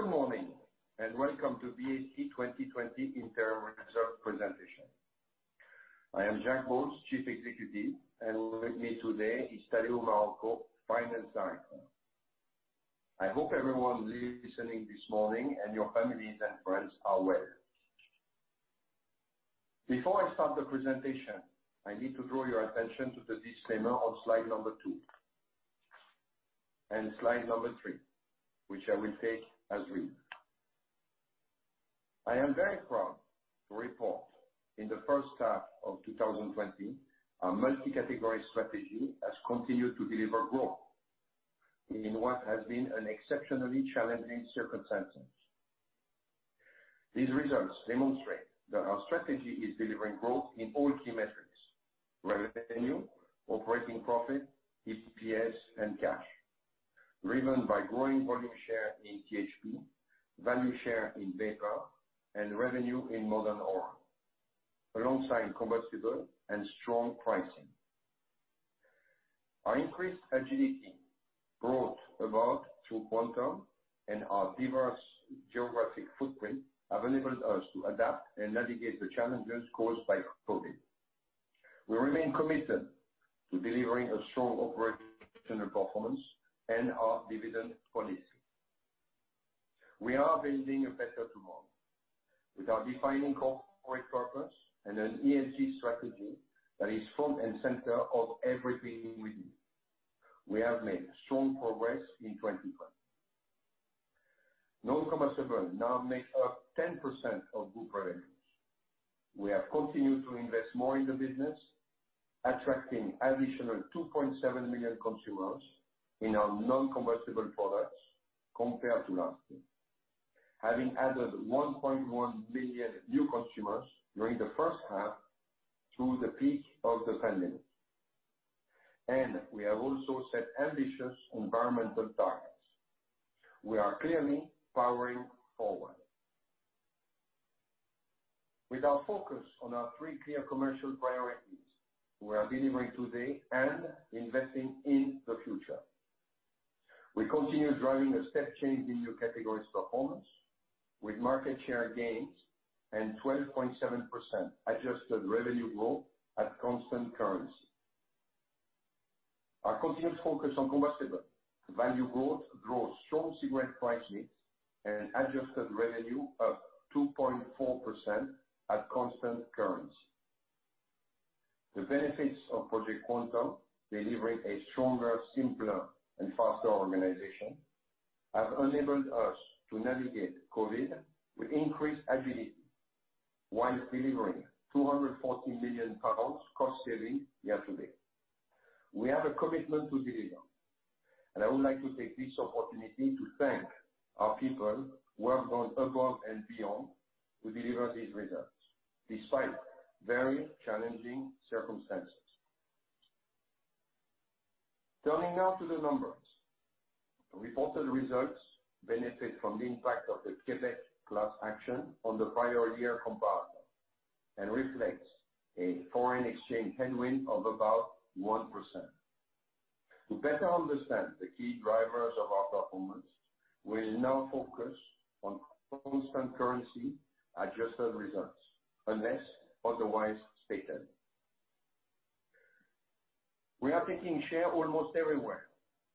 Good morning, and welcome to BAT's 2020 interim results presentation. I am Jack Bowles, Chief Executive, and with me today is Tadeu Marroco, Finance Director. I hope everyone listening this morning and your families and friends are well. Before I start the presentation, I need to draw your attention to the disclaimer on slide number two and slide number three, which I will take as read. I am very proud to report in the first half of 2020, our multi-category strategy has continued to deliver growth in what has been an exceptionally challenging circumstance. These results demonstrate that our strategy is delivering growth in all key metrics, revenue, operating profit, EPS, and cash, driven by growing volume share in THP, value share in vapor, and revenue in Modern Oral, alongside combustible and strong pricing. Our increased agility, brought about through Quantum and our diverse geographic footprint, enabled us to adapt and navigate the challenges caused by COVID. We remain committed to delivering a strong operational performance and our dividend policy. We are building a better tomorrow. With our defining corporate purpose and an ESG strategy that is front and center of everything we do, we have made strong progress in 2020. Non-combustible now makes up 10% of group revenues. We have continued to invest more in the business, attracting an additional 2.7 million consumers in our non-combustible products compared to last year. Having added 1.1 million new consumers during the first half through the peak of the pandemic, we have also set ambitious environmental targets. We are clearly powering forward. With our focus on our three clear commercial priorities, we are delivering today and investing in the future. We continue driving a step change in new category performance with market share gains and 12.7% adjusted revenue growth at constant currency. Our continuous focus on combustible value growth drove strong cigarette price mix and adjusted revenue of 2.4% at constant currency. The benefits of Project Quantum, delivering a stronger, simpler, and faster organization, have enabled us to navigate COVID with increased agility while delivering 240 million pounds cost savings year to date. We have a commitment to deliver, and I would like to take this opportunity to thank our people who have gone above and beyond to deliver these results despite very challenging circumstances. Turning now to the numbers. Reported results benefit from the impact of the Quebec class action on the prior year comparison and reflects a foreign exchange headwind of about 1%. To better understand the key drivers of our performance, we will now focus on constant currency adjusted results, unless otherwise stated. We are taking share almost everywhere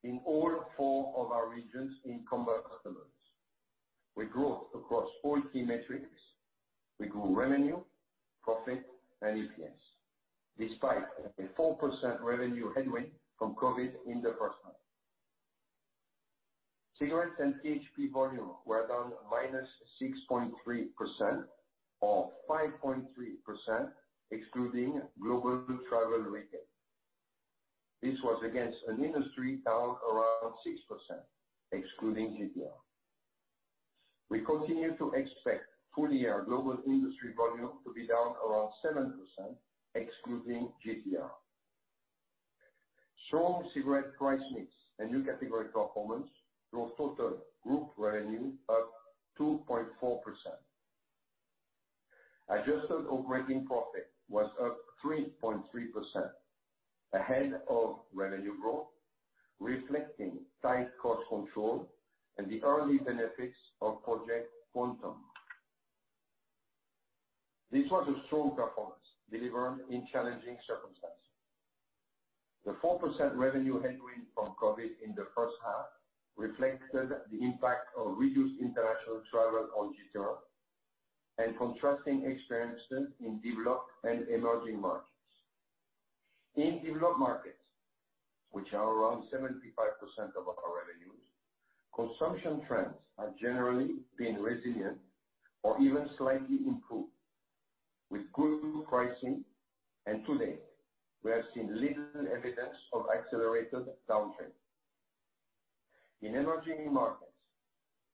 in all four of our regions in combustibles. We grew across all key metrics. We grew revenue, profit, and EPS, despite a 4% revenue headwind from COVID in the first half. Cigarettes and THP volume were down -6.3%, or 5.3% excluding global travel retail. This was against an industry down around 6%, excluding GTR. We continue to expect full-year global industry volume to be down around 7%, excluding GTR. Strong cigarette price mix and new category performance drove total group revenue up 2.4%. Adjusted operating profit was up 3.3%, ahead of revenue growth, reflecting tight cost control and the early benefits of Project Quantum. This was a strong performance delivered in challenging circumstances. The 4% revenue headwind from COVID in the first half reflected the impact of reduced international travel on GTR and contrasting experiences in developed and emerging markets. In developed markets, which are around 75% of our revenues, consumption trends have generally been resilient or even slightly improved, with good pricing. To date, we have seen little evidence of accelerated downtrend. In emerging markets,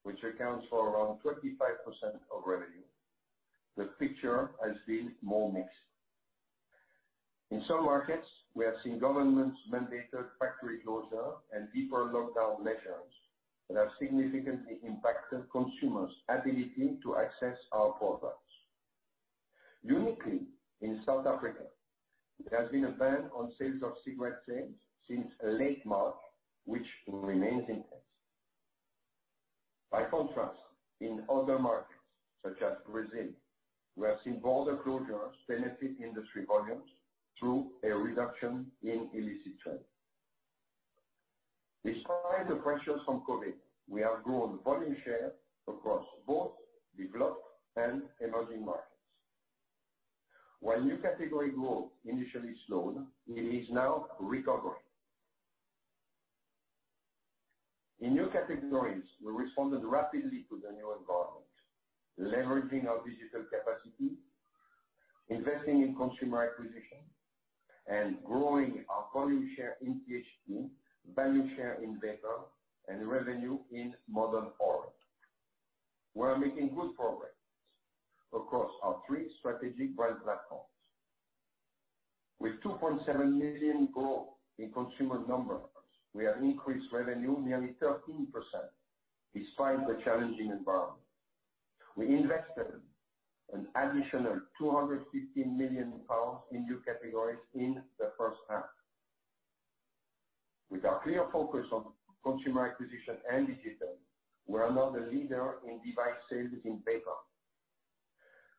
which accounts for around 25% of revenue, the picture has been more mixed. In some markets, we have seen governments mandate factory closure and deeper lockdown measures that have significantly impacted consumers' ability to access our products. Uniquely in South Africa, there has been a ban on sales of cigarette since late March, which remains in place. By contrast, in other markets such as Brazil, we have seen border closures benefit industry volumes through a reduction in illicit trade. Despite the pressures from COVID, we have grown volume share across both developed and emerging markets. While new category growth initially slowed, it is now recovering. In new categories, we responded rapidly to the new environment, leveraging our digital capacity, investing in consumer acquisition, and growing our volume share in THP, value share in vapor, and revenue in Modern Oral. We are making good progress across our three strategic brand platforms. With 2.7 million growth in consumer numbers, we have increased revenue nearly 13%, despite the challenging environment. We invested an additional 250 million pounds in new categories in the first half. With our clear focus on consumer acquisition and digital, we are now the leader in device sales in vapor.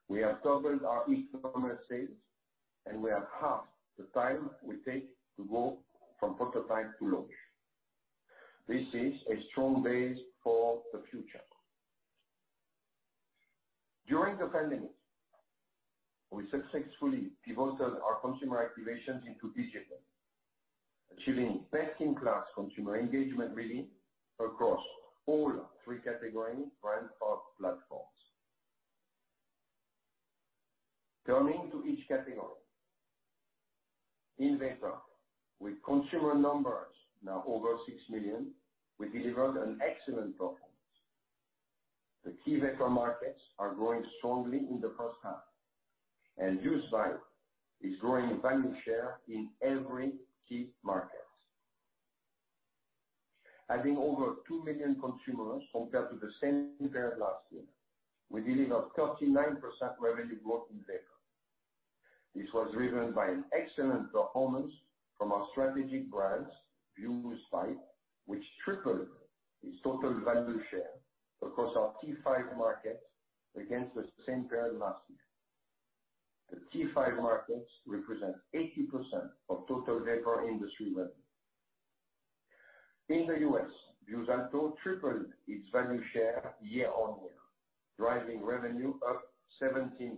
We have doubled our e-commerce sales, and we have halved the time we take to go from prototype to launch. This is a strong base for the future. During the pandemic, we successfully pivoted our consumer activations into digital, achieving best-in-class consumer engagement reading across all three category brand platforms. Turning to each category. In vapor, with consumer numbers now over 6 million, we delivered an excellent performance. The key vapor markets are growing strongly in the first half. Vuse's Vype is growing value share in every key market. Adding over 2 million consumers compared to the same period last year, we delivered 39% revenue growth in vapor. This was driven by an excellent performance from our strategic brands, Vuse with Vype, which tripled its total value share across our T5 markets against the same period last year. The T5 markets represent 80% of total vapor industry revenue. In the U.S., Vuse's Alto tripled its value share year-on-year, driving revenue up 17%.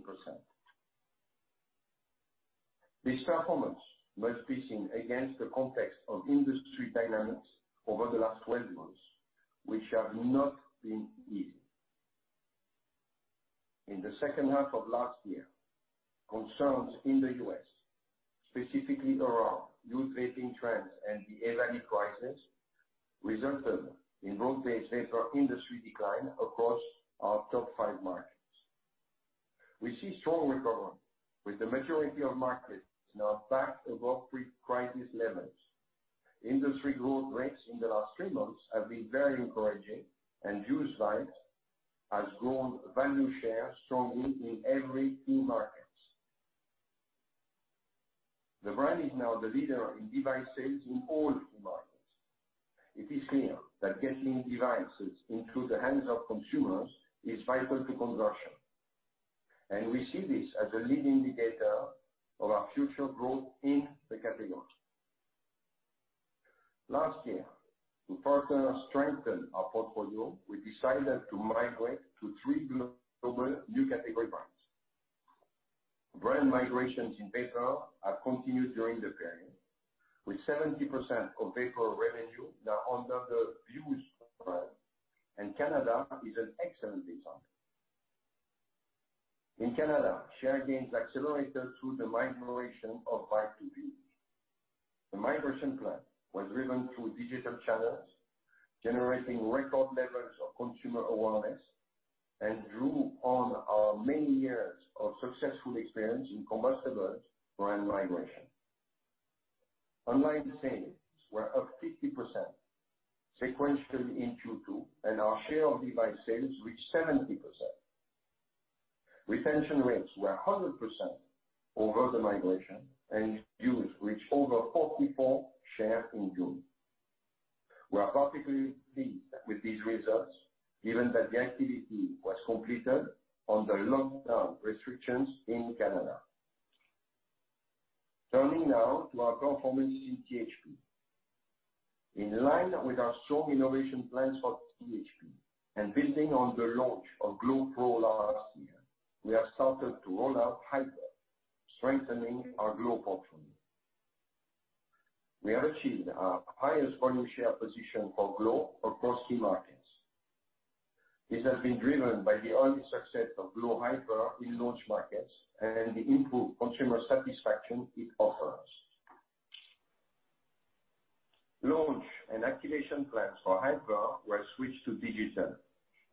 This performance was pitching against the context of industry dynamics over the last 12 months, which have not been easy. In the second half of last year, concerns in the U.S., specifically around youth vaping trends and the EVALI crisis, resulted in broad-based vapor industry decline across our top five markets. We see strong recovery, with the majority of markets now back above pre-crisis levels. Industry growth rates in the last three months have been very encouraging. Vuse Vype has grown value share strongly in every key market. The brand is now the leader in device sales in all key markets. It is clear that getting devices into the hands of consumers is vital to conversion. We see this as a leading indicator of our future growth in the category. Last year, to further strengthen our portfolio, we decided to migrate to three global new category brands. Brand migrations in Vapour have continued during the period, with 70% of Vapour revenue now under the Vuse brand. Canada is an excellent example. In Canada, share gains accelerated through the migration of Vype to Vuse. The migration plan was driven through digital channels, generating record levels of consumer awareness, drew on our many years of successful experience in combustible brand migration. Online sales were up 50% sequentially in Q2. Our share of device sales reached 70%. Retention rates were 100% over the migration. Vuse reached over 44% share in June. We are particularly pleased with these results, given that the activity was completed under lockdown restrictions in Canada. Turning now to our performance in THP. In line with our strong innovation plans for THP building on the launch of glo Pro last year, we have started to roll out Hyper, strengthening our glo portfolio. We have achieved our highest volume share position for glo across key markets. This has been driven by the early success of glo Hyper in launch markets and the improved consumer satisfaction it offers. Launch and activation plans for Hyper were switched to digital,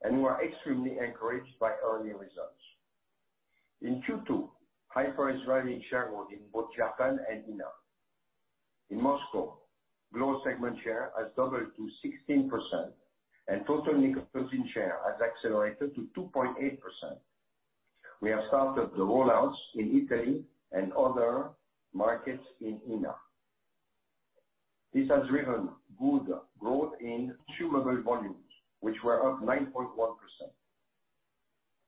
and we are extremely encouraged by early results. In Q2, Hyper is driving share growth in both Japan and India. In Moscow, glo segment share has doubled to 16%, and total nicotine share has accelerated to 2.8%. We have started the rollouts in Italy and other markets in ENA. This has driven good growth in consumable volumes, which were up 9.1%.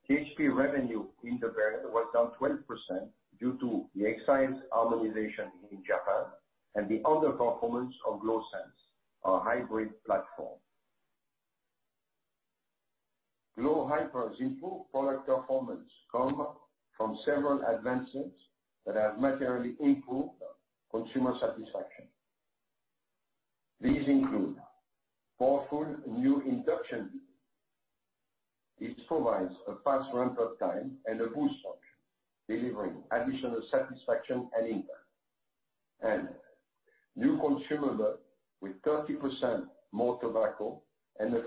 THP revenue in the period was down 12% due to the excise harmonization in Japan and the underperformance of glo sens, our hybrid platform. glo Hyper's improved product performance come from several advancements that have materially improved consumer satisfaction. These include powerful new induction. This provides a fast ramp-up time and a boost function, delivering additional satisfaction and impact. New consumable with 30% more tobacco and a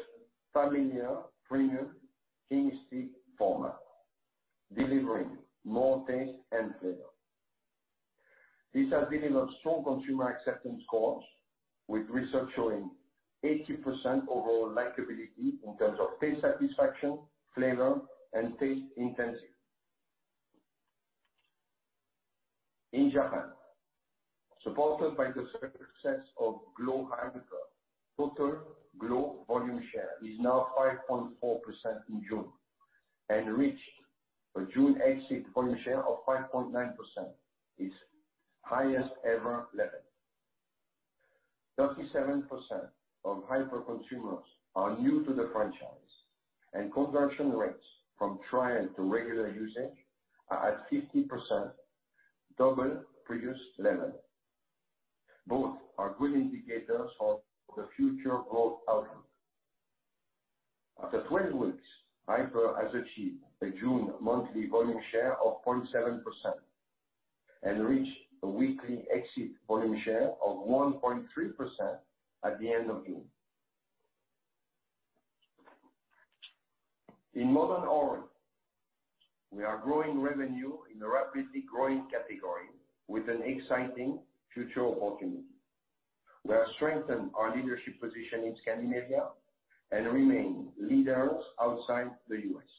familiar premium king stick format, delivering more taste and flavor. This has delivered strong consumer acceptance scores with research showing 80% overall likeability in terms of taste satisfaction, flavor, and taste intensity. In Japan, supported by the success of glo Hyper, total glo volume share is now 5.4% in June and reached a June exit volume share of 5.9%, its highest ever level. 37% of Hyper consumers are new to the franchise, and conversion rates from trial to regular usage are at 50%, double previous level. Both are good indicators of the future growth outlook. After 12 weeks, Hyper has achieved a June monthly volume share of 0.7% and reached a weekly exit volume share of 1.3% at the end of June. In modern oral, we are growing revenue in a rapidly growing category with an exciting future opportunity. We have strengthened our leadership position in Scandinavia and remain leaders outside the U.S.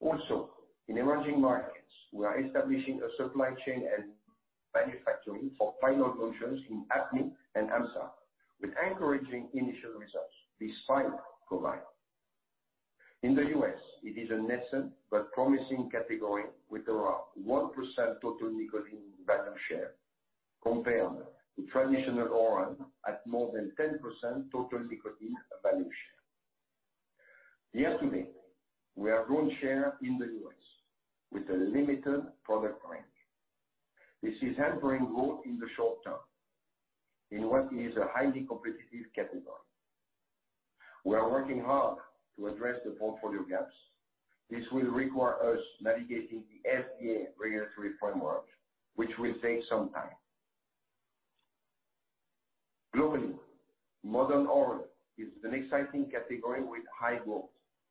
Also, in emerging markets, we are establishing a supply chain and manufacturing for final launches in APMEA and AMSA. With encouraging initial results, these pilots provide. In the U.S., it is a nascent but promising category with around 1% total nicotine value share compared to traditional oral at more than 10% total nicotine value share. Year-to-date, we have grown share in the U.S. with a limited product range. This is helping growth in the short term in what is a highly competitive category. We are working hard to address the portfolio gaps. This will require us navigating the FDA regulatory framework, which will take some time. Globally, Modern Oral is an exciting category with high growth,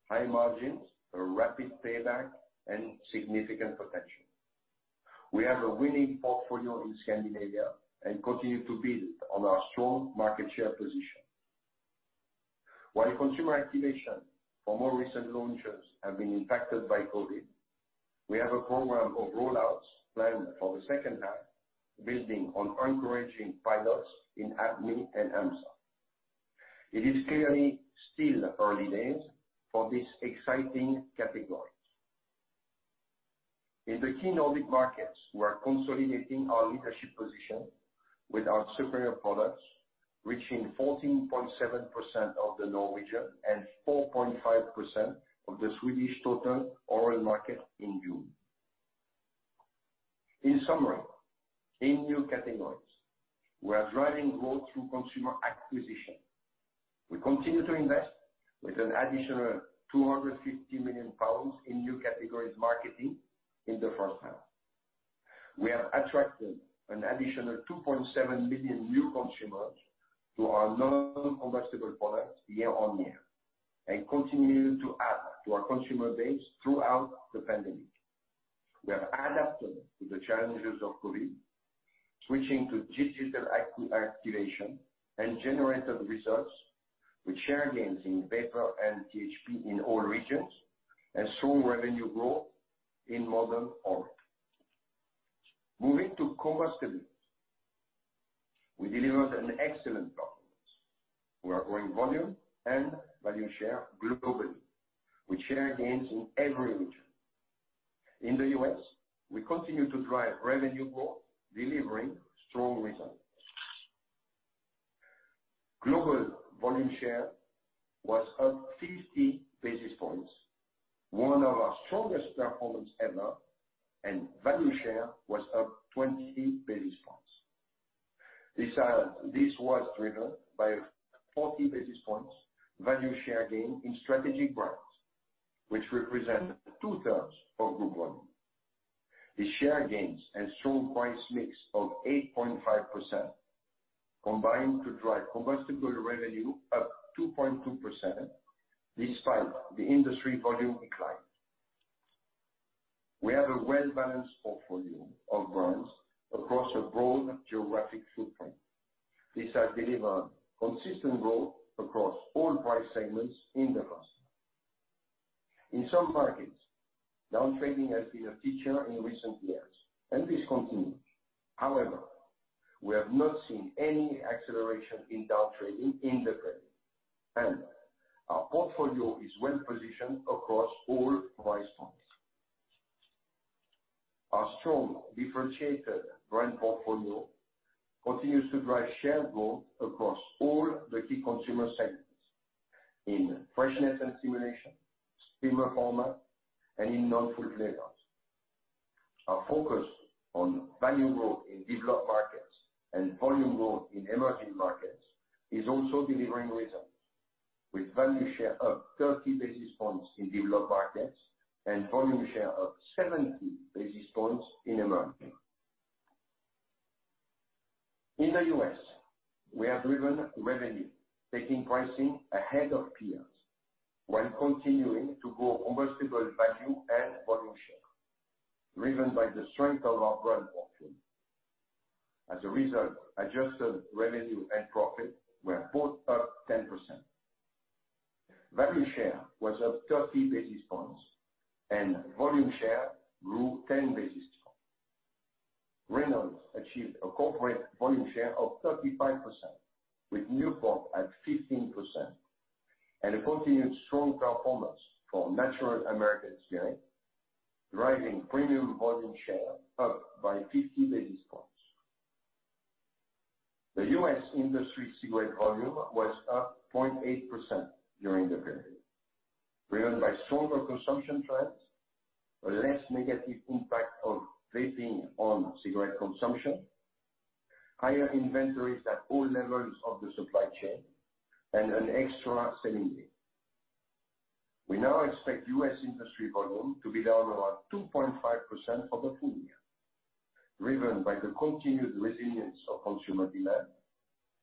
high margins, a rapid payback, and significant potential. We have a winning portfolio in Scandinavia and continue to build on our strong market share position. While consumer activation for more recent launches have been impacted by COVID, we have a program of rollouts planned for the second half, building on encouraging pilots in APMEA and AMSA. It is clearly still early days for this exciting category. In the key Nordic markets, we are consolidating our leadership position with our superior products, reaching 14.7% of the Norwegian and 4.5% of the Swedish total oral market in June. In summary, in new categories, we are driving growth through consumer acquisition. We continue to invest with an additional 250 million pounds in new categories marketing in the first half. We have attracted an additional 2.7 million new consumers to our non-combustible products year-on-year and continue to add to our consumer base throughout the pandemic. We have adapted to the challenges of COVID, switching to digital activation and generated results with share gains in vapor and THP in all regions and strong revenue growth in Modern Oral. Moving to combustible. We delivered an excellent performance. We are growing volume and value share globally, with share gains in every region. In the U.S., we continue to drive revenue growth, delivering strong results. Global volume share was up 50 basis points, one of our strongest performance ever, and value share was up 20 basis points. This was driven by a 40 basis points value share gain in strategic brands, which represent two-thirds of group volume. The share gains and strong price mix of 8.5% combined to drive combustible revenue up 2.2%, despite the industry volume decline. We have a well-balanced portfolio of brands across a broad geographic footprint. This has delivered consistent growth across all price segments in the cluster. In some markets, down trading has been a feature in recent years, and this continued. However, we have not seen any acceleration in down trading in the period, and our portfolio is well positioned across all price points. Our strong differentiated brand portfolio continues to drive share growth across all the key consumer segments, in freshness and stimulation, slim performer, and in non-filter flavors. Our focus on value growth in developed markets and volume growth in emerging markets is also delivering results, with value share up 30 basis points in developed markets and volume share up 70 basis points in emerging. In the U.S., we have driven revenue, taking pricing ahead of peers, while continuing to grow combustible value and volume share, driven by the strength of our brand portfolio. As a result, adjusted revenue and profit were both up 10%. Value share was up 30 basis points, and volume share grew 10 basis points. Reynolds achieved a corporate volume share of 35%, with Newport at 15%, and a continued strong performance for Natural American Spirit, driving premium volume share up by 50 basis points. The U.S. industry cigarette volume was up 0.8% during the period, driven by stronger consumption trends, a less negative impact of vaping on cigarette consumption, higher inventories at all levels of the supply chain, and an extra selling day. We now expect U.S. industry volume to be down about 2.5% for the full year, driven by the continued resilience of consumer demand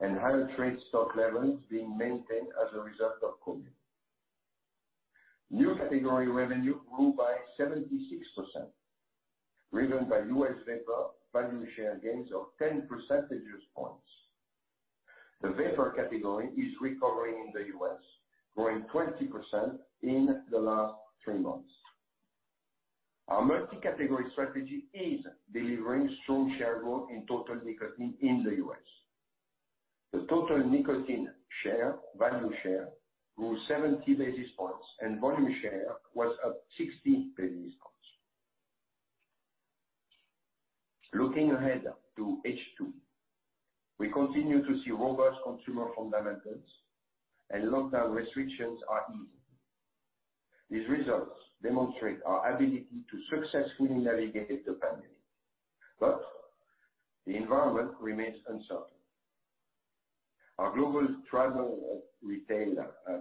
and higher trade stock levels being maintained as a result of COVID. New category revenue grew by 76%, driven by U.S. Vapour value share gains of 10 percentage points. The Vapour category is recovering in the U.S., growing 20% in the last three months. Our multi-category strategy is delivering strong share growth in total nicotine in the U.S. The total nicotine value share grew 70 basis points, and volume share was up 60 basis points. Looking ahead to H2, we continue to see robust consumer fundamentals and lockdown restrictions are easing. These results demonstrate our ability to successfully navigate the pandemic, but the environment remains uncertain. Our global travel retail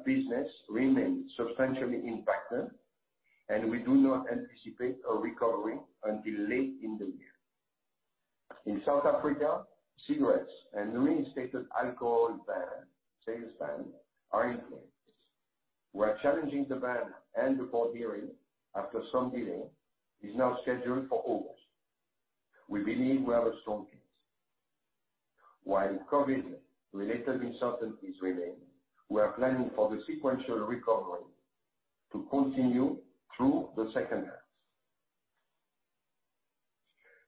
business remains substantially impacted, and we do not anticipate a recovery until late in the year. In South Africa, cigarettes and the reinstated alcohol sales ban are in place. We're challenging the ban and the court hearing after some delay is now scheduled for August. We believe we have a strong case. While COVID-related uncertainties remain, we are planning for the sequential recovery to continue through the second half.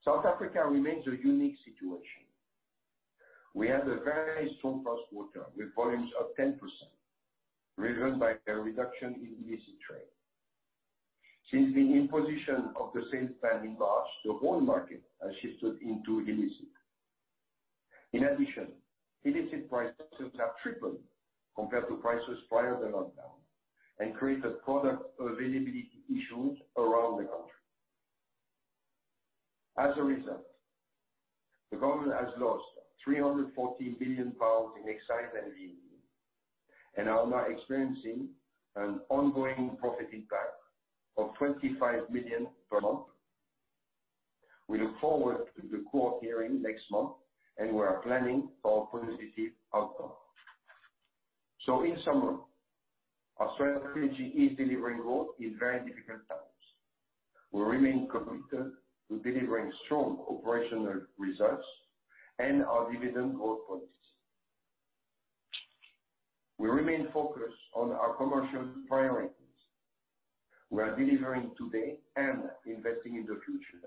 South Africa remains a unique situation. We had a very strong first quarter with volumes up 10%, driven by a reduction in illicit trade. Since the imposition of the sales ban in March, the whole market has shifted into illicit. In addition, illicit prices have tripled compared to prices prior to lockdown and created product availability issues around the country. As a result, the government has lost 340 billion pounds in excise and VAT, and are now experiencing an ongoing profit impact of 25 million per month. We look forward to the court hearing next month. We are planning for a positive outcome. In summary, our strategy is delivering growth in very difficult times. We remain committed to delivering strong operational results and our dividend growth policy. We remain focused on our commercial priorities. We are delivering today and investing in the future,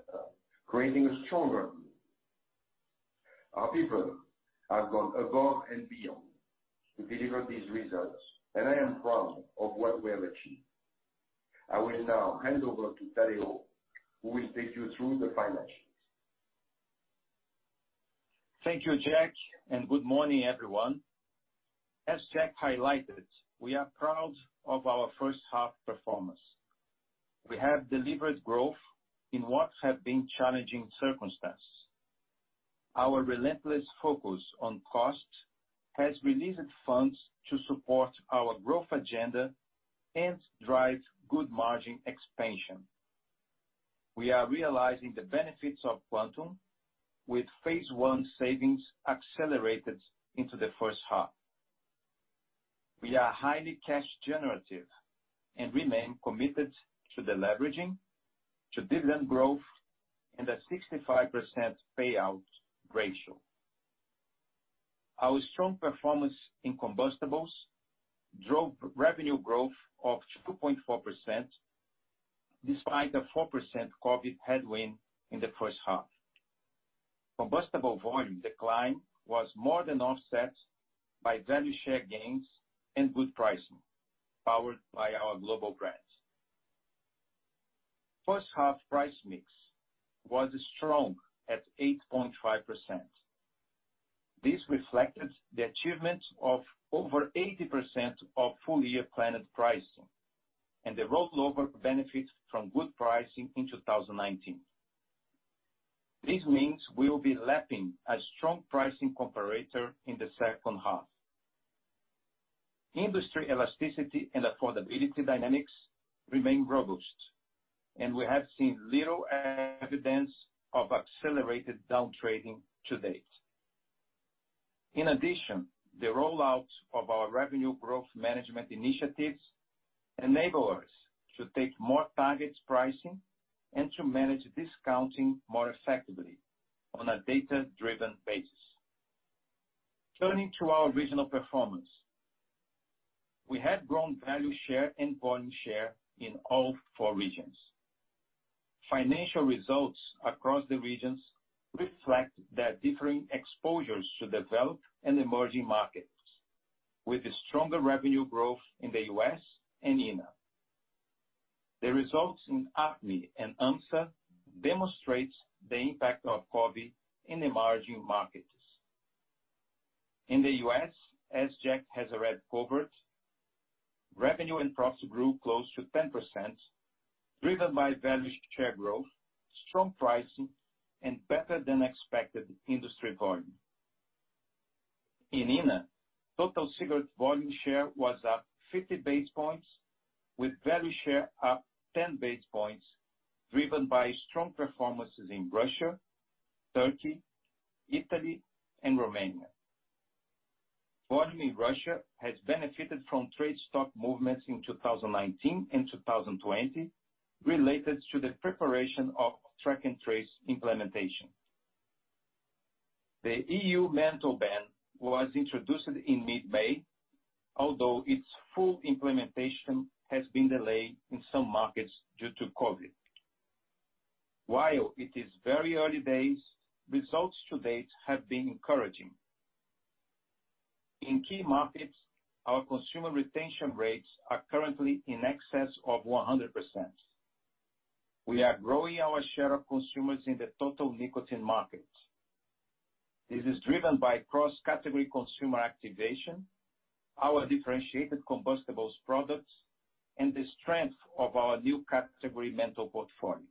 creating a stronger view. Our people have gone above and beyond to deliver these results. I am proud of what we have achieved. I will now hand over to Tadeu, who will take you through the financials. Thank you, Jack, and good morning, everyone. As Jack highlighted, we are proud of our first half performance. We have delivered growth in what have been challenging circumstances. Our relentless focus on costs has released funds to support our growth agenda and drive good margin expansion. We are realizing the benefits of Quantum, with phase 1 savings accelerated into the first half. We are highly cash generative and remain committed to the leveraging, to dividend growth and a 65% payout ratio. Our strong performance in combustibles drove revenue growth of 2.4%, despite a 4% COVID headwind in the first half. Combustible volume decline was more than offset by value share gains and good pricing, powered by our global brands. First half price mix was strong at 8.5%. This reflected the achievement of over 80% of full year planned pricing and the rollover benefits from good pricing in 2019. This means we will be lapping a strong pricing comparator in the second half. Industry elasticity and affordability dynamics remain robust. We have seen little evidence of accelerated down trading to date. In addition, the rollout of our revenue growth management initiatives enable us to take more targeted pricing and to manage discounting more effectively on a data-driven basis. Turning to our regional performance. We have grown value share and volume share in all four regions. Financial results across the regions reflect their differing exposures to developed and emerging markets, with stronger revenue growth in the U.S. and ENA. The results in APMEA and AMSA demonstrate the impact of COVID in emerging markets. In the U.S., as Jack has already covered, revenue and profit grew close to 10%, driven by value share growth, strong pricing, and better than expected industry volume. In ENA, total cigarette volume share was up 50 basis points, with value share up 10 basis points, driven by strong performances in Russia, Turkey, Italy, and Romania. Volume in Russia has benefited from trade stock movements in 2019 and 2020 related to the preparation of track and trace implementation. The EU menthol ban was introduced in mid-May, although its full implementation has been delayed in some markets due to COVID. While it is very early days, results to date have been encouraging. In key markets, our consumer retention rates are currently in excess of 100%. We are growing our share of consumers in the total nicotine market. This is driven by cross-category consumer activation, our differentiated combustibles products, and the strength of our new category menthol portfolio.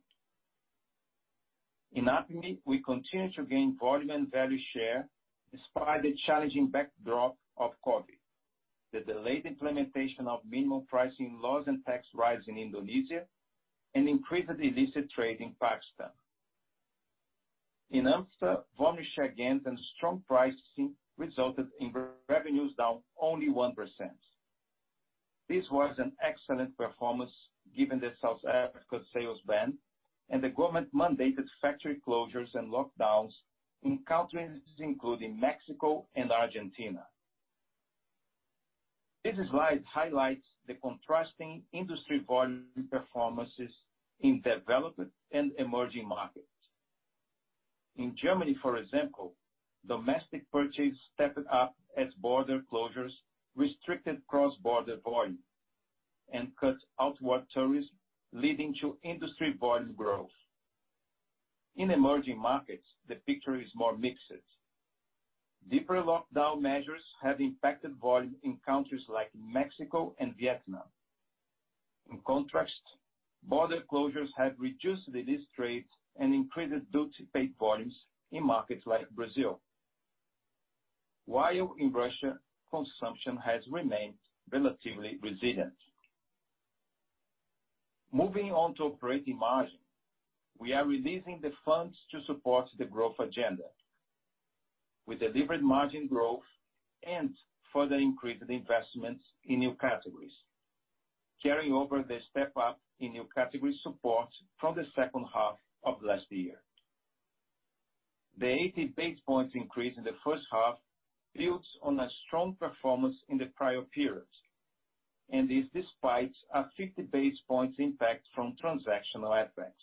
In APME, we continue to gain volume and value share despite the challenging backdrop of COVID, the delayed implementation of minimum pricing laws and tax rise in Indonesia, and increased illicit trade in Pakistan. In AMSA, volume share gains and strong pricing resulted in revenues down only 1%. This was an excellent performance given the South Africa sales ban and the government-mandated factory closures and lockdowns in countries including Mexico and Argentina. This slide highlights the contrasting industry volume performances in developed and emerging markets. In Germany, for example, domestic purchase stepped up as border closures restricted cross-border volume and cut outward tourism, leading to industry volume growth. In emerging markets, the picture is more mixed. Deeper lockdown measures have impacted volume in countries like Mexico and Vietnam. In contrast, border closures have reduced illicit trade and increased duty paid volumes in markets like Brazil, while in Russia, consumption has remained relatively resilient. Moving on to operating margin. We are releasing the funds to support the growth agenda with delivered margin growth and further increased investments in new categories, carrying over the step-up in new category support from the second half of last year. The 80 basis points increase in the first half builds on a strong performance in the prior periods, and is despite a 50 basis points impact from transactional effects.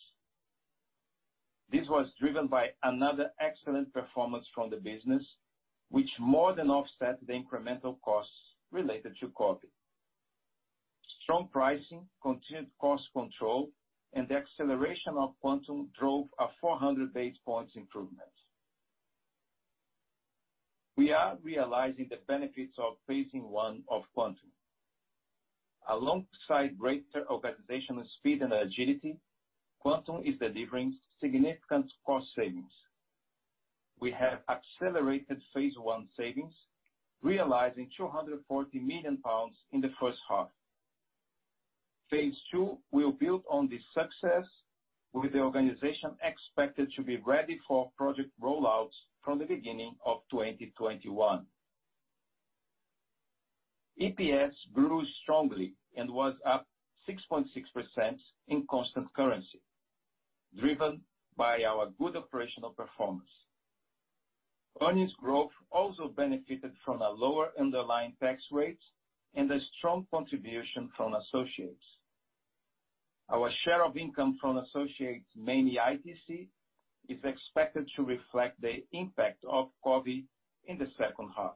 This was driven by another excellent performance from the business, which more than offset the incremental costs related to COVID. Strong pricing, continued cost control, and the acceleration of Quantum drove a 400 basis points improvement. We are realizing the benefits of phase I of Quantum. Alongside greater organizational speed and agility, Quantum is delivering significant cost savings. We have accelerated phase one savings, realizing 240 million pounds in the first half. Phase II will build on the success, with the organization expected to be ready for project rollouts from the beginning of 2021. EPS grew strongly and was up 6.6% in constant currency, driven by our good operational performance. Earnings growth also benefited from a lower underlying tax rate and a strong contribution from associates. Our share of income from associates, mainly ITC, is expected to reflect the impact of COVID in the second half.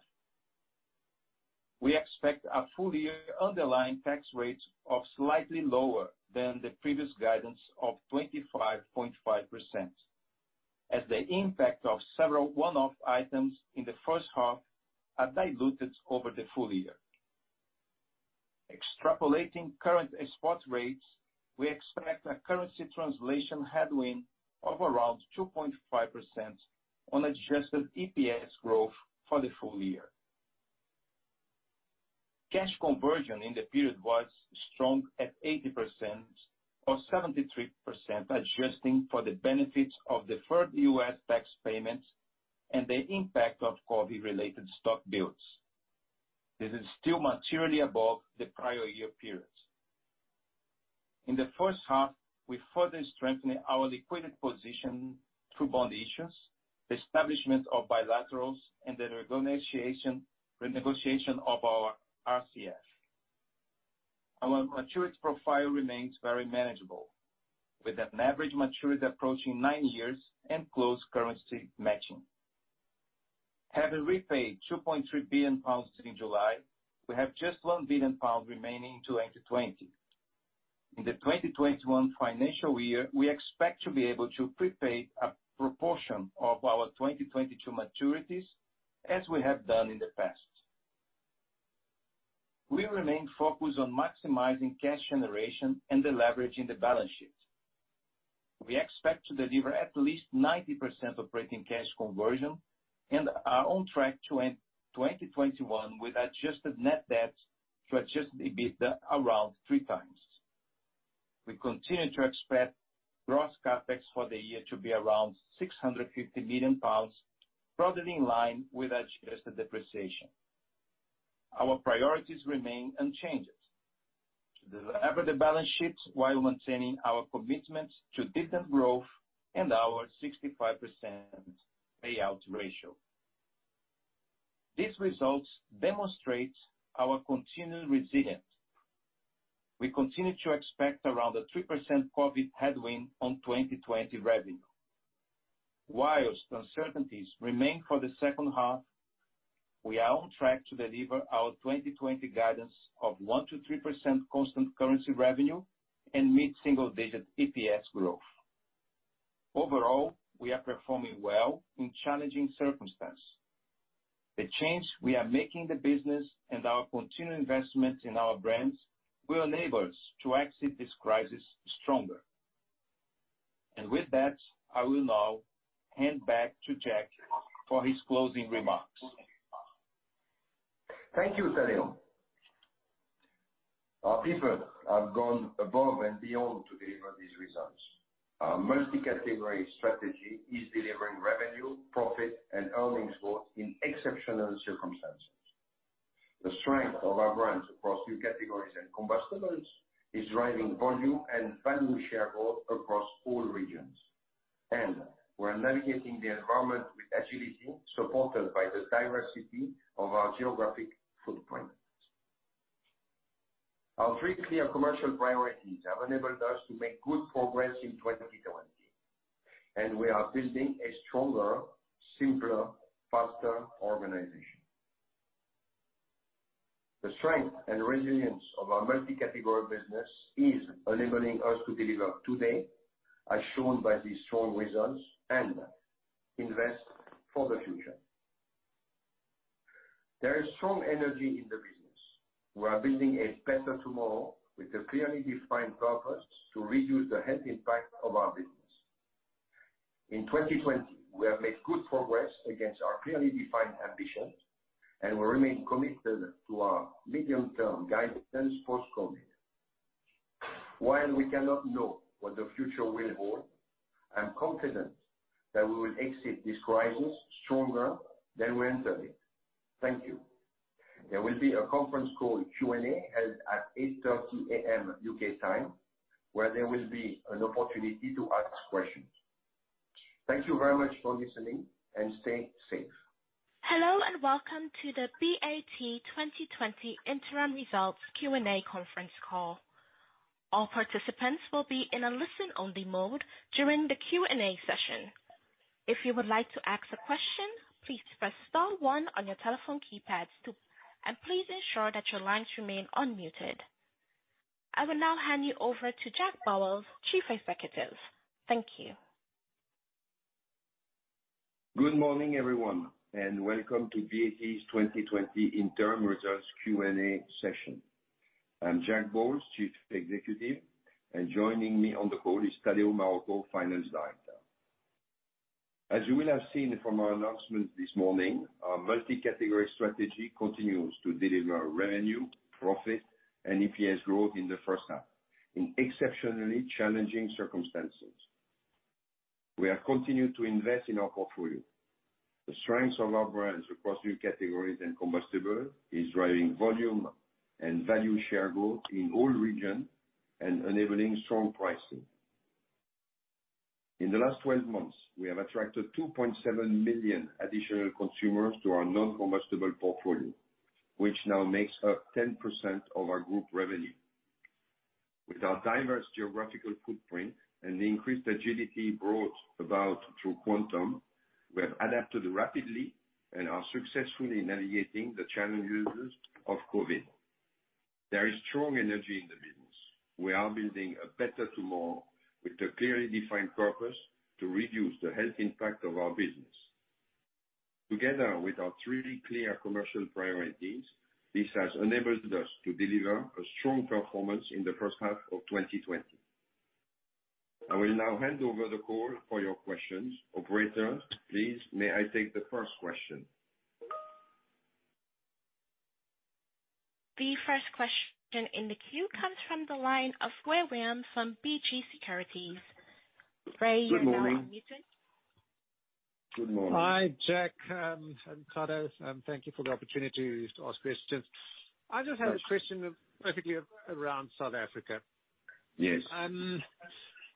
We expect a full year underlying tax rate of slightly lower than the previous guidance of 25.5%, as the impact of several one-off items in the first half are diluted over the full year. Extrapolating current spot rates, we expect a currency translation headwind of around 2.5% on adjusted EPS growth for the full year. Cash conversion in the period was strong at 80%, or 73% adjusting for the benefits of deferred U.S. tax payments and the impact of COVID-related stock builds. This is still materially above the prior year periods. In the first half, we further strengthened our liquidity position through bond issues, establishment of bilaterals, and the renegotiation of our RCF. Our maturity profile remains very manageable, with an average maturity approaching nine years and close currency matching. Having repaid 2.3 billion pounds in July, we have just 1 billion pounds remaining in 2020. In the 2021 financial year, we expect to be able to prepay a proportion of our 2022 maturities as we have done in the past. We remain focused on maximizing cash generation and deleveraging the balance sheet. We expect to deliver at least 90% operating cash conversion and are on track to end 2021 with adjusted net debt to adjusted EBITDA around 3x. We continue to expect gross CapEx for the year to be around 650 million pounds, broadly in line with adjusted depreciation. Our priorities remain unchanged. To delever the balance sheets while maintaining our commitment to dividend growth and our 65% payout ratio. These results demonstrate our continued resilience. We continue to expect around a 3% COVID headwind on 2020 revenue. Whilst uncertainties remain for the second half, we are on track to deliver our 2020 guidance of 1%-3% constant currency revenue and mid-single digit EPS growth. Overall, we are performing well in challenging circumstances. The change we are making the business and our continued investment in our brands will enable us to exit this crisis stronger. With that, I will now hand back to Jack for his closing remarks. Thank you, Tadeu. Our people have gone above and beyond to deliver these results. Our multi-category strategy is delivering revenue, profit, and earnings growth in exceptional circumstances. The strength of our brands across new categories and combustibles is driving volume and value share growth across all regions. We're navigating the environment with agility, supported by the diversity of our geographic footprint. Our three clear commercial priorities have enabled us to make good progress in 2020. We are building a stronger, simpler, faster organization. The strength and resilience of our multi-category business is enabling us to deliver today, as shown by these strong results, and invest for the future. There is strong energy in the business. We are building a better tomorrow with a clearly defined purpose to reduce the health impact of our business. In 2020, we have made good progress against our clearly defined ambitions, and we remain committed to our medium-term guidance post-COVID. While we cannot know what the future will hold, I am confident that we will exit this crisis stronger than we entered it. Thank you. There will be a conference call Q&A held at 8:30 A.M. U.K. time, where there will be an opportunity to ask questions. Thank you very much for listening, and stay safe. Hello, welcome to the BAT 2020 Interim Results Q&A conference call. All participants will be in a listen-only mode during the Q&A session. If you would like to ask a question, please press star one on your telephone keypads, and please ensure that your lines remain unmuted. I will now hand you over to Jack Bowles, Chief Executive. Thank you. Good morning, everyone, and welcome to BAT's 2020 Interim Results Q&A session. I'm Jack Bowles, Chief Executive, and joining me on the call is Tadeu Marroco, Finance Director. As you will have seen from our announcement this morning, our multi-category strategy continues to deliver revenue, profit, and EPS growth in the first half in exceptionally challenging circumstances. We have continued to invest in our portfolio. The strengths of our brands across new categories and combustibles is driving volume and value share growth in all regions and enabling strong pricing. In the last 12 months, we have attracted 2.7 million additional consumers to our non-combustibles portfolio, which now makes up 10% of our group revenue. With our diverse geographical footprint and the increased agility brought about through Quantum, we have adapted rapidly and are successfully navigating the challenges of COVID. There is strong energy in the business. We are building a better tomorrow with a clearly defined purpose to reduce the health impact of our business. Together with our three clear commercial priorities, this has enabled us to deliver a strong performance in the first half of 2020. I will now hand over the call for your questions. Operator, please, may I take the first question? The first question in the queue comes from the line of Rey Wium from SBG Securities. Rey, you are unmuted. Good morning. Hi, Jack and Carlos. Thank you for the opportunity to ask questions. I just have a question specifically around South Africa. Yes.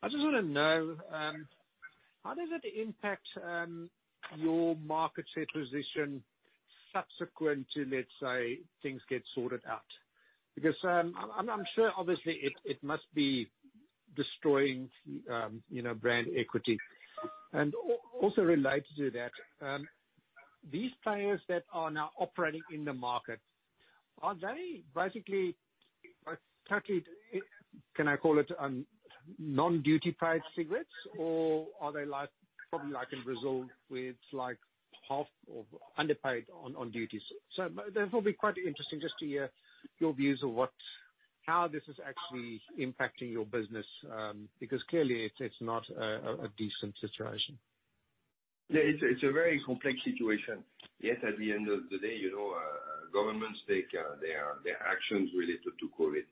I just want to know, how does it impact your market share position subsequent to, let's say, things get sorted out? Because I'm sure obviously it must be destroying brand equity. Also related to that, these players that are now operating in the market, are they basically, can I call it non-duty paid cigarettes, or are they like, probably like in Brazil, with half or underpaid on duties? That will be quite interesting just to hear your views of how this is actually impacting your business, because clearly, it's not a decent situation. Yeah. It's a very complex situation. At the end of the day governments take their actions related to COVID.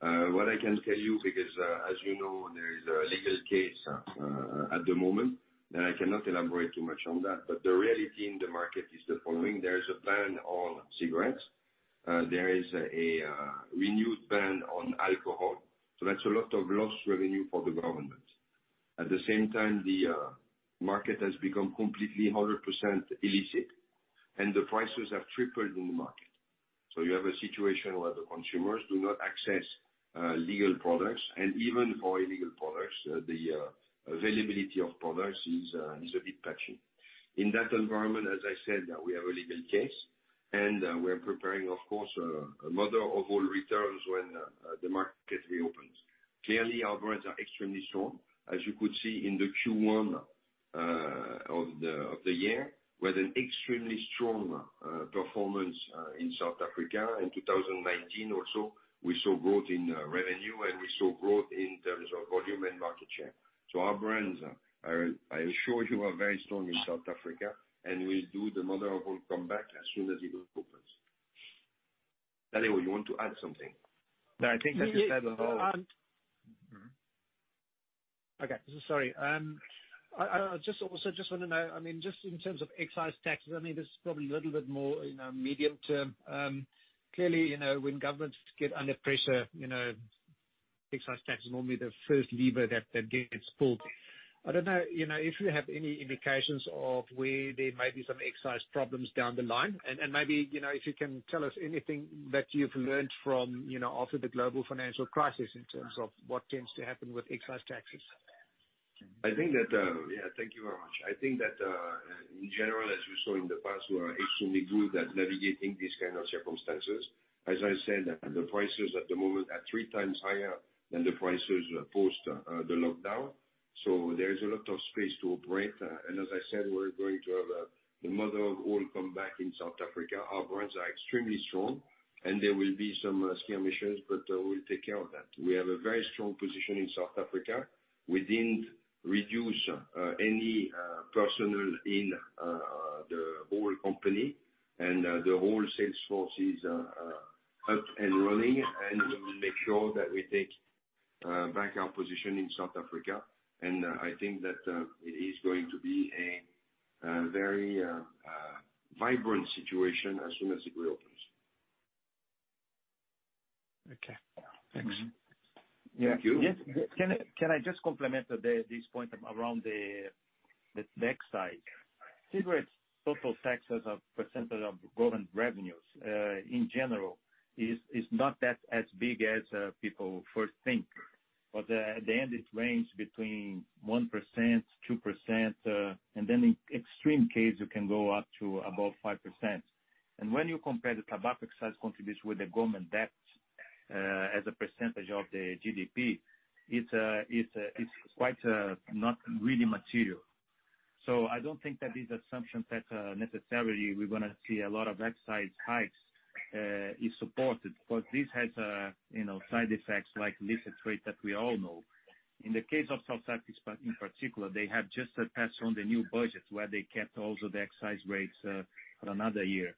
What I can tell you, because as you know, there is a legal case at the moment, and I cannot elaborate too much on that. The reality in the market is the following. There is a ban on cigarettes. There is a renewed ban on alcohol, so that's a lot of lost revenue for the government. At the same time, the market has become completely 100% illicit and the prices have tripled in the market. You have a situation where the consumers do not access legal products, and even for illegal products, the availability of products is a bit patchy. In that environment, as I said, we have a legal case, and we are preparing, of course, a mother of all returns when the market reopens. Clearly, our brands are extremely strong. As you could see in the Q1 of the year, with an extremely strong performance in South Africa. In 2019 also, we saw growth in revenue and we saw growth in terms of volume and market share. Our brands are, I assure you, are very strong in South Africa and will do the mother of all comeback as soon as it reopens. Tadeu, you want to add something? No, I think that's said well. Okay. Sorry. I also just want to know, just in terms of excise tax, this is probably a little bit more medium-term. Clearly, when governments get under pressure, excise tax is normally the first lever that gets pulled. I don't know if you have any indications of where there may be some excise problems down the line and if you can tell us anything that you've learned from after the global financial crisis in terms of what tends to happen with excise taxes. Thank you very much. I think that, in general, as you saw in the past, we are extremely good at navigating these kind of circumstances. As I said, the prices at the moment are 3x higher than the prices post the lockdown. There is a lot of space to operate. As I said, we're going to have the mother of all comeback in South Africa. Our brands are extremely strong and there will be some skirmishes, but we'll take care of that. We have a very strong position in South Africa. We didn't reduce any personnel in the whole company and the whole sales force is up and running and we will make sure that we take back our position in South Africa. I think that it is going to be a very vibrant situation as soon as it reopens. Okay. Thanks. Thank you. Yes. Can I just complement this point around the tax side? Cigarettes, total taxes as a percentage of government revenues, in general, is not as big as people first think. At the end, it range between 1%, 2%, and then in extreme case, it can go up to above 5%. When you compare the tobacco excise contribution with the government debt as a percentage of the GDP, it's quite not really material. I don't think that these assumptions that necessarily we're going to see a lot of excise hikes is supported, but this has side effects like illicit trade that we all know. In the case of South Africa in particular, they have just passed on the new budget, where they kept also the excise rates for another year.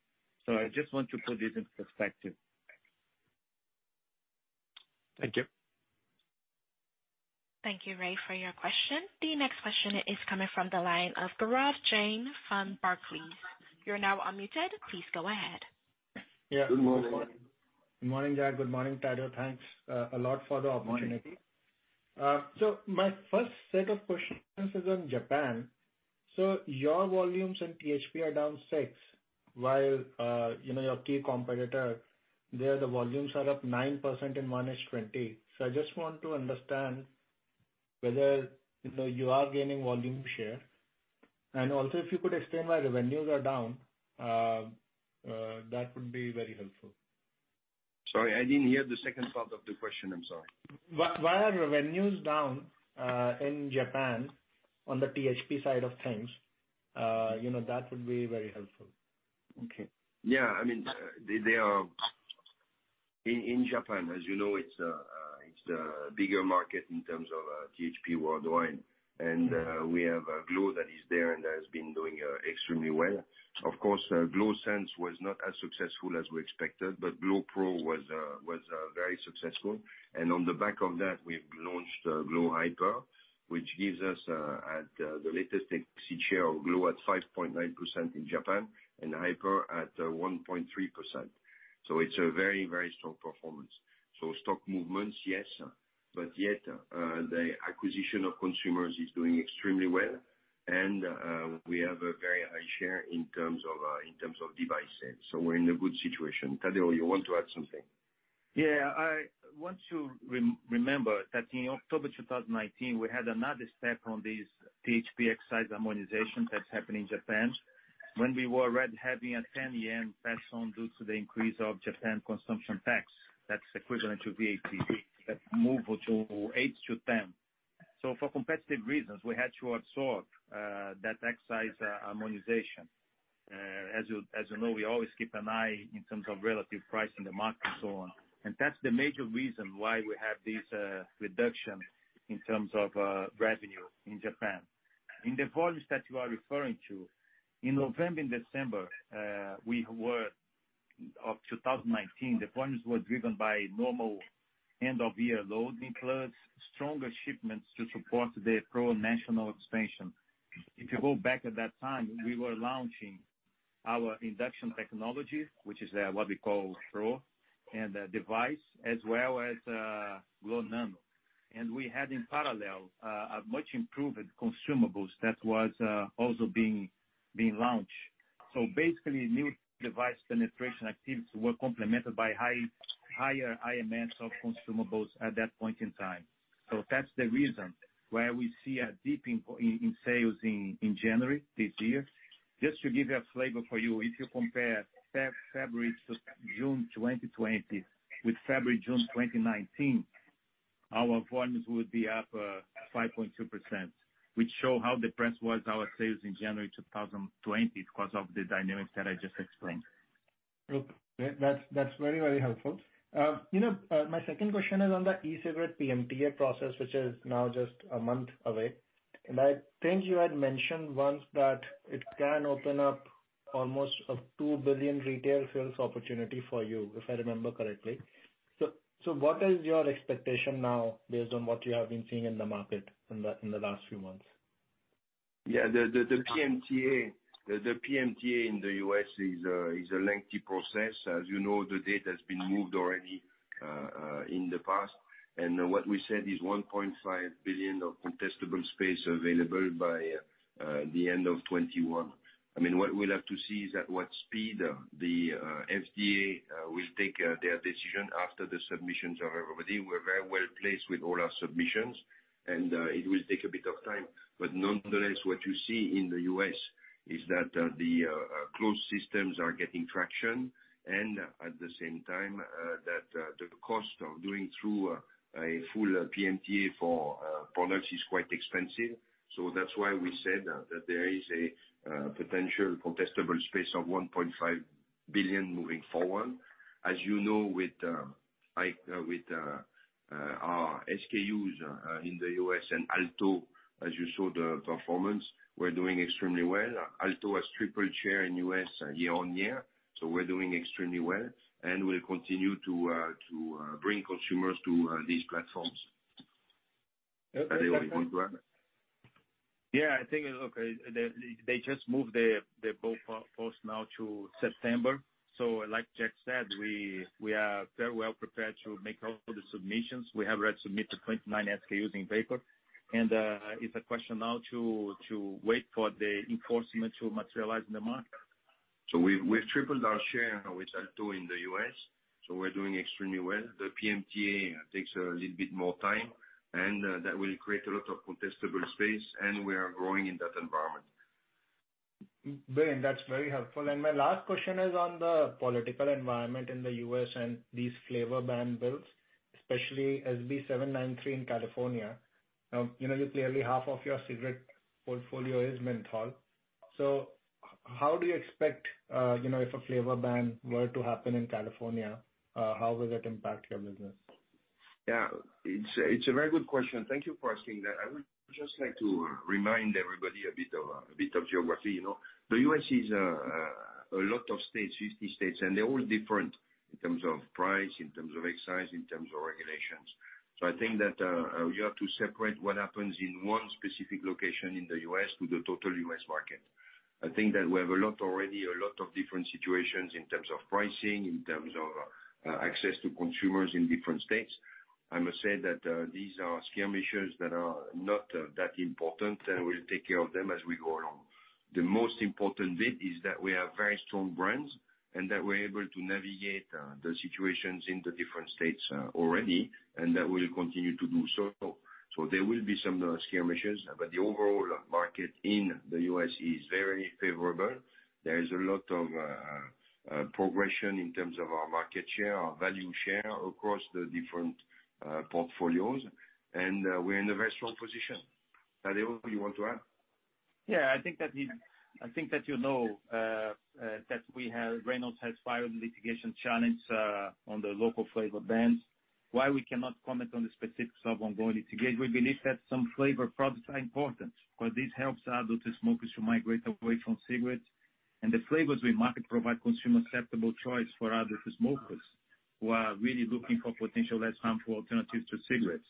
I just want to put this into perspective. Thank you. Thank you, Rey, for your question. The next question is coming from the line of Gaurav Jain from Barclays. You're now unmuted. Please go ahead. Yeah. Good morning. Good morning, Jack. Good morning, Tadeu. Thanks a lot for the opportunity. My first set of questions is on Japan. Your volumes in THP are down 6%, while your key competitor there, the volumes are up 9% in 1H 2020. I just want to understand whether you are gaining volume share. If you could explain why revenues are down, that would be very helpful. Sorry, I didn't hear the second part of the question. I'm sorry. Why are revenues down in Japan on the THP side of things? That would be very helpful. Okay. Yeah, in Japan, as you know, it's a bigger market in terms of THP worldwide. We have glo that is there and has been doing extremely well. Of course, glo sens was not as successful as we expected, but glo Pro was very successful. On the back of that, we've launched glo Hyper, which gives us at the latest exit share of glo at 5.9% in Japan and Hyper at 1.3%. It's a very, very strong performance. Stock movements, yes, but yet, the acquisition of consumers is doing extremely well and we have a very high share in terms of devices. We're in a good situation. Tadeu, you want to add something? Yeah. I want to remember that in October 2019, we had another step on these THP excise harmonization that happened in Japan when we were already having a 10 yen pass on due to the increase of Japan consumption tax, that's equivalent to VAT. That moved to 8-10. For competitive reasons, we had to absorb that excise harmonization. As you know, we always keep an eye in terms of relative price in the market and so on. That's the major reason why we have this reduction in terms of revenue in Japan. In the volumes that you are referring to, in November and December of 2019, the volumes were driven by normal end-of-year loading, plus stronger shipments to support the Pro national expansion. If you go back at that time, we were launching our induction technology, which is what we call Pro, and the device, as well as glo nano. We had in parallel, a much improved consumables that was also being launched. Basically, new device penetration activities were complemented by higher IMNs of consumables at that point in time. That's the reason why we see a dip in sales in January this year. Just to give a flavor for you, if you compare February to June 2020 with February, June 2019, our volumes would be up 5.2%, which show how depressed was our sales in January 2020 because of the dynamics that I just explained. Okay. That's very, very helpful. My second question is on the e-cigarette PMTA process, which is now just a month away. I think you had mentioned once that it can open up almost a 2 billion retail sales opportunity for you, if I remember correctly. What is your expectation now based on what you have been seeing in the market in the last few months? Yeah, the PMTA in the U.S. is a lengthy process. As you know, the date has been moved already, in the past. What we said is $1.5 billion of contestable space available by the end of 2021. What we'll have to see is at what speed the FDA will take their decision after the submissions are over with. We're very well placed with all our submissions and it will take a bit of time, but nonetheless, what you see in the U.S. is that the closed systems are getting traction and at the same time, that the cost of doing through a full PMTA for products is quite expensive. That's why we said that there is a potential contestable space of $1.5 billion moving forward. As you know, with our SKUs in the U.S. and Alto, as you saw the performance, we're doing extremely well. Alto has tripled share in U.S. year on year, so we're doing extremely well and we'll continue to bring consumers to these platforms. Tadeu, you want to add? Yeah. Look, they just moved the goalposts now to September. Like Jack said, we are very well prepared to make all the submissions. We have already submitted 29 SKUs in Vapour. It's a question now to wait for the enforcement to materialize in the market. We've tripled our share with Alto in the U.S., so we're doing extremely well. The PMTA takes a little bit more time, and that will create a lot of contestable space, and we are growing in that environment. Brilliant. That's very helpful. My last question is on the political environment in the U.S. and these flavor ban bills, especially SB 793 in California. Clearly, half of your cigarette portfolio is menthol. How do you expect, if a flavor ban were to happen in California, how will that impact your business? Yeah, it's a very good question. Thank you for asking that. I would just like to remind everybody a bit of geography. The U.S. is a lot of states, 50 states, and they're all different in terms of price, in terms of excise, in terms of regulations. I think that we have to separate what happens in one specific location in the U.S. to the total U.S. market. I think that we have a lot already, a lot of different situations in terms of pricing, in terms of access to consumers in different states. I must say that these are skirmishes that are not that important, and we'll take care of them as we go along. The most important bit is that we have very strong brands, and that we're able to navigate the situations in the different states already, and that we'll continue to do so. There will be some skirmishes, but the overall market in the U.S. is very favorable. There is a lot of progression in terms of our market share, our value share across the different portfolios. We're in a very strong position. Tadeu, you want to add? Yeah, I think that you know that Reynolds has filed a litigation challenge on the local flavor bans. While we cannot comment on the specifics of ongoing litigation, we believe that some flavor products are important, because this helps adult smokers to migrate away from cigarettes. The flavors we market provide consumer-acceptable choice for adult smokers who are really looking for potential less harmful alternatives to cigarettes.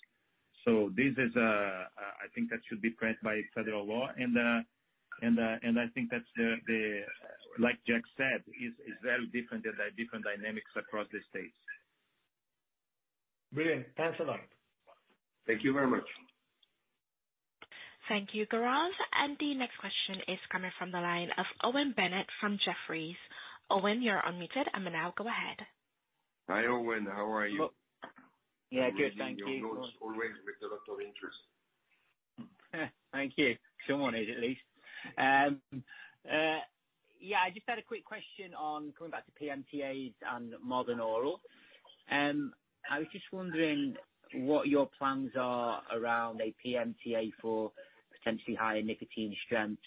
I think that should be pressed by federal law. I think that, like Jack said, it's very different dynamics across the states. Brilliant. Thanks a lot. Thank you very much. Thank you, Gaurav. The next question is coming from the line of Owen Bennett from Jefferies. Owen, you're unmuted, and now go ahead. Hi, Owen. How are you? Yeah, good. Thank you. We read your notes always with a lot of interest. Thank you. Someone is, at least. I just had a quick question on coming back to PMTAs and Modern Oral. I was just wondering what your plans are around a PMTA for potentially higher nicotine strengths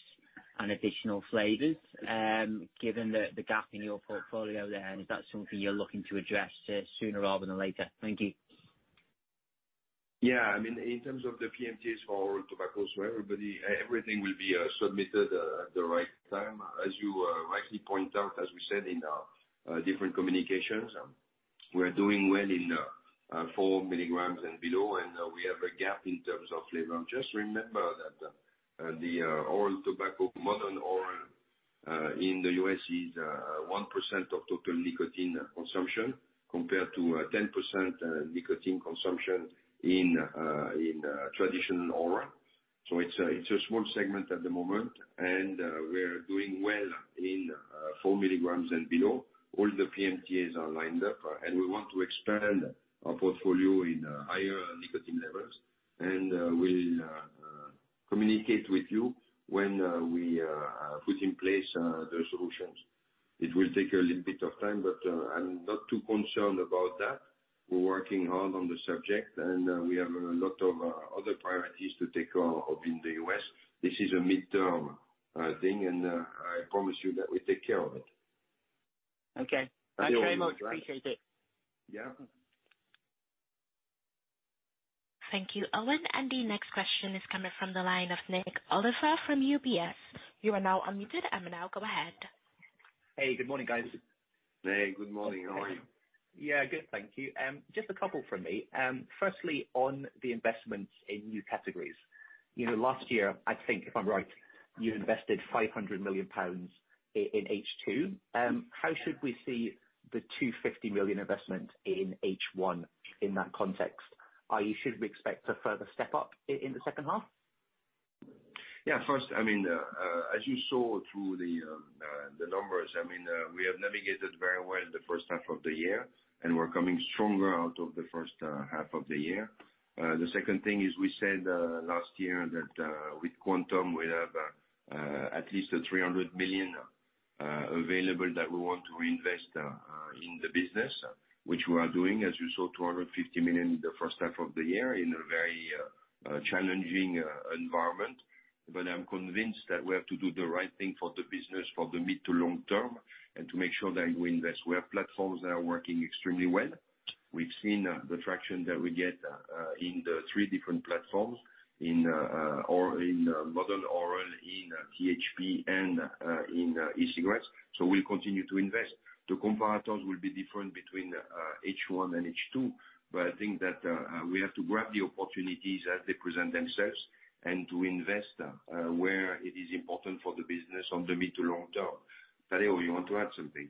and additional flavors. Given the gap in your portfolio there, is that something you're looking to address sooner rather than later? Thank you. Yeah. In terms of the PMTAs for oral tobaccos, for everybody, everything will be submitted at the right time. As you rightly point out, as we said in our different communications, we're doing well in 4 mg and below, and we have a gap in terms of flavor. Just remember that the Modern Oral in the U.S. is 1% of total nicotine consumption, compared to 10% nicotine consumption in traditional oral. It's a small segment at the moment, and we're doing well in 4 mg and below. All the PMTAs are lined up, and we want to expand our portfolio in higher nicotine levels. We'll communicate with you when we put in place the solutions. It will take a little bit of time, but I'm not too concerned about that. We're working hard on the subject, and we have a lot of other priorities to take care of in the U.S. This is a midterm thing, and I promise you that we'll take care of it. Okay. Thanks very much. Appreciate it. Yeah. Thank you, Owen. The next question is coming from the line of Nik Oliver from UBS. You are now unmuted, and now go ahead. Hey, good morning, guys. Hey, good morning. How are you? Yeah, good, thank you. Just a couple from me. Firstly, on the investment in new categories. Last year, I think if I'm right, you invested 500 million pounds in H2. How should we see the 250 million investment in H1 in that context? Should we expect a further step-up in the second half? Yeah. First, as you saw through the numbers, we have navigated very well in the first half of the year, and we're coming stronger out of the first half of the year. The second thing is, we said last year that with Quantum, we have at least the 300 million available that we want to invest in the business, which we are doing, as you saw, 250 million in the first half of the year in a very challenging environment. I'm convinced that we have to do the right thing for the business for the mid to long term, and to make sure that we invest where platforms are working extremely well. We've seen the traction that we get in the three different platforms, in Modern Oral, in THP, and in e-cigarettes. We'll continue to invest. The comparators will be different between H1 and H2, but I think that we have to grab the opportunities as they present themselves and to invest where it is important for the business on the mid to long term. Tadeu, you want to add something?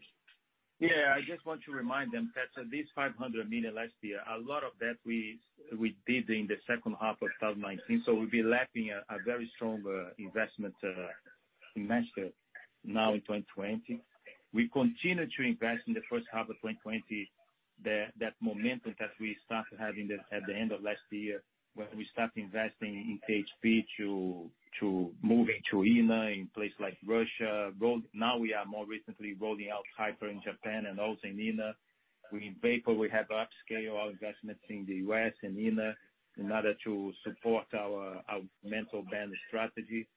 I just want to remind them that this 500 million last year, a lot of that we did in the second half of 2019. We'll be lapping a very strong investment semester now in 2020. We continue to invest in the first half of 2020, that momentum that we started having at the end of last year, when we started investing in THP to moving to ENA in places like Russia. Now we are more recently rolling out glo Hyper in Japan and also in ENA. In Vapour, we have upscale our investments in the U.S. and in there in order to support our menthol ban strategy.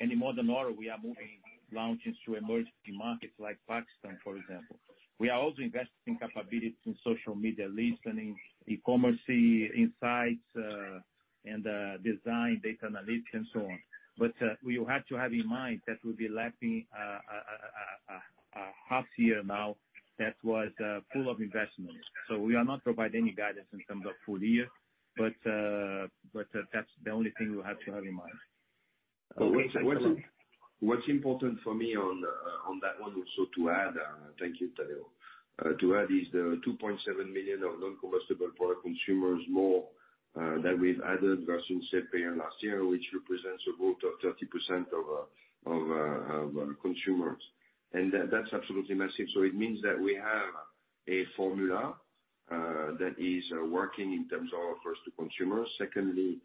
In Modern Oral, we are moving launches to emerging markets like Pakistan, for example. We are also investing capabilities in social media, listening, e-commerce insights, and design, data analytics, and so on. You have to have in mind that we'll be lacking a half year now that was full of investments. We are not providing any guidance in terms of full year. That's the only thing you have to have in mind. What's important for me on that one also to add, thank you, Tadeu, to add is the 2.7 million of non-combustibles product consumers more, that we've added versus September last year, which represents a growth of 30% of our consumers. That's absolutely massive. It means that we have a formula that is working in terms of first, the consumers. Secondly,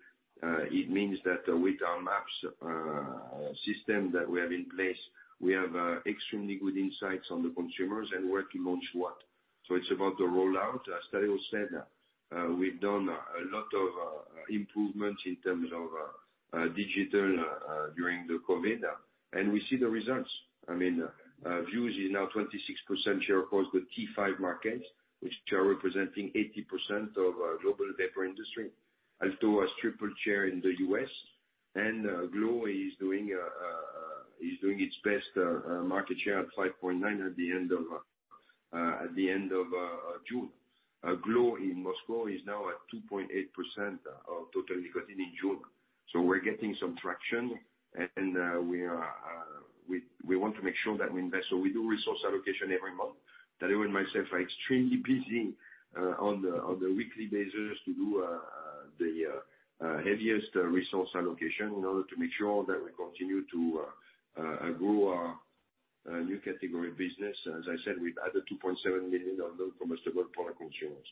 it means that with our MAPS system that we have in place, we have extremely good insights on the consumers and where to launch what. It's about the rollout. As Tadeu said, we've done a lot of improvements in terms of digital, during the COVID, and we see the results. I mean, Vuse is now 26% share across the T5 markets, which are representing 80% of global Vapour industry. IQOS triple share in the U.S., and glo is doing its best market share at 5.9% at the end of June. glo in Moscow is now at 2.8% of total nicotine in June. We're getting some traction, and we want to make sure that we invest. We do resource allocation every month. Tadeu and myself are extremely busy on the weekly basis to do the heaviest resource allocation in order to make sure that we continue to grow our new category business. As I said, we've added 2.7 million of non-combustibles product consumers.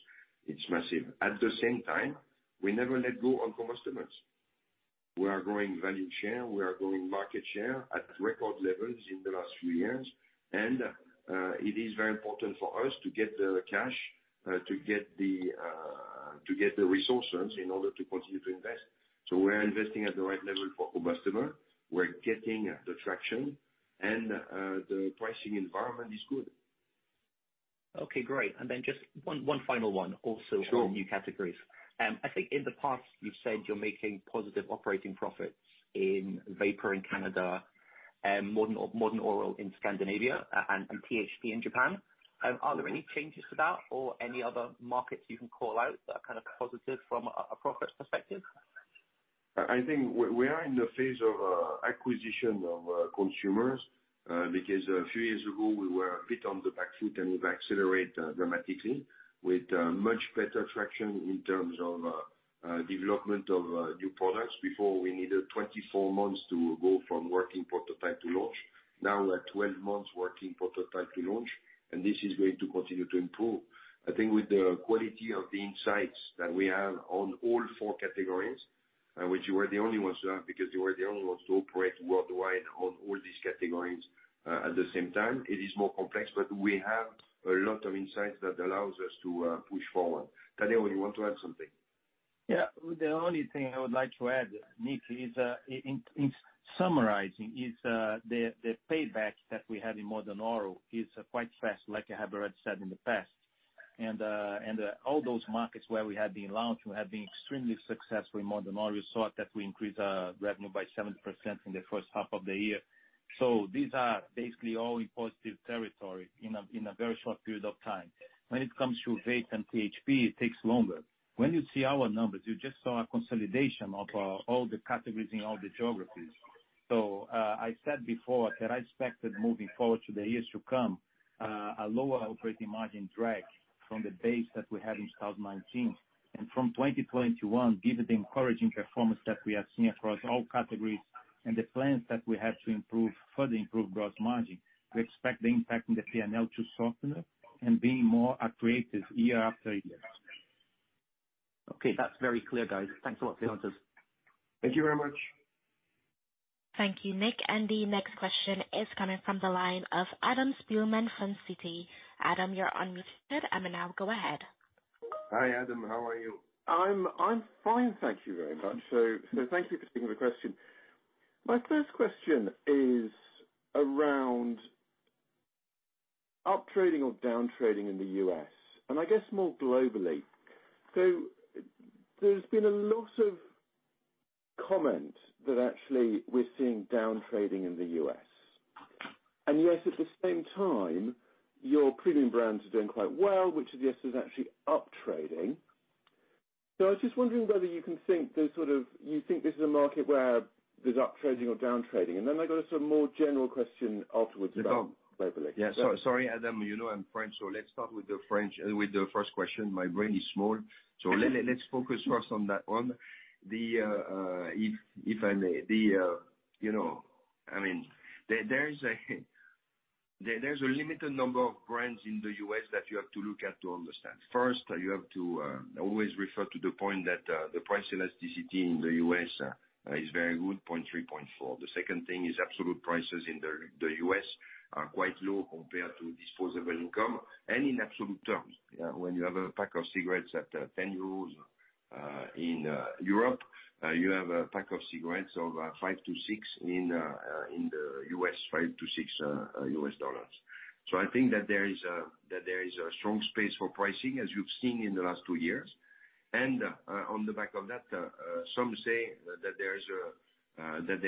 It's massive. At the same time, we never let go on combustibles. We are growing value share, we are growing market share at record levels in the last few years. It is very important for us to get the cash, to get the resources in order to continue to invest. We're investing at the right level for combustibles. We're getting the traction and the pricing environment is good. Okay, great. Just one final one also. Sure On new categories. I think in the past you've said you're making positive operating profits in Vapour in Canada and Modern Oral in Scandinavia and THP in Japan. Are there any changes to that or any other markets you can call out that are positive from a profits perspective? I think we are in the phase of acquisition of consumers, because a few years ago, we were a bit on the back foot, and we've accelerated dramatically with much better traction in terms of development of new products. Before, we needed 24 months to go from working prototype to launch. Now we're at 12 months working prototype to launch, and this is going to continue to improve. I think with the quality of the insights that we have on all four categories, and which we are the only ones to have because we are the only ones to operate worldwide on all these categories, at the same time. It is more complex, but we have a lot of insights that allows us to push forward. Tadeu, you want to add something? Yeah. The only thing I would like to add, Nik, is in summarizing is the payback that we had in Modern Oral is quite fast, like I have already said in the past. All those markets where we had the launch, we have been extremely successful in Modern Oral. You saw that we increased revenue by 70% in the first half of the year. These are basically all in positive territory in a very short period of time. When it comes to vape and THP, it takes longer. When you see our numbers, you just saw a consolidation of all the categories in all the geographies. I said before that I expected moving forward to the years to come, a lower operating margin drag from the base that we had in 2019. From 2021, given the encouraging performance that we are seeing across all categories and the plans that we have to further improve gross margin, we expect the impact on the P&L to soften and be more accretive year after year. Okay. That's very clear, guys. Thanks a lot for the answers. Thank you very much. Thank you, Nik. The next question is coming from the line of Adam Spielman from Citi. Adam, you're unmuted and now go ahead. Hi, Adam. How are you? I'm fine. Thank you very much. Thank you for taking the question. My first question is around up trading or down trading in the U.S., and I guess more globally. There's been a lot of comment that actually we're seeing down trading in the U.S. Yet at the same time, your premium brands are doing quite well, which I guess is actually up trading. I was just wondering whether you think this is a market where there's up trading or down trading. I got a sort of more general question afterwards about globally. Yeah. Sorry, Adam. You know I'm French, let's start with the first question. My brain is small. Let's focus first on that one. There's a limited number of brands in the U.S. that you have to look at to understand. First, you have to always refer to the point that the price elasticity in the U.S. is very good, 0.3, 0.4. The second thing is absolute prices in the U.S. are quite low compared to disposable income and in absolute terms. When you have a pack of cigarettes at 10 euros in Europe, you have a pack of cigarettes of 5 to 6 in the U.S., $5-$6. I think that there is a strong space for pricing, as you've seen in the last two years. On the back of that, some say that there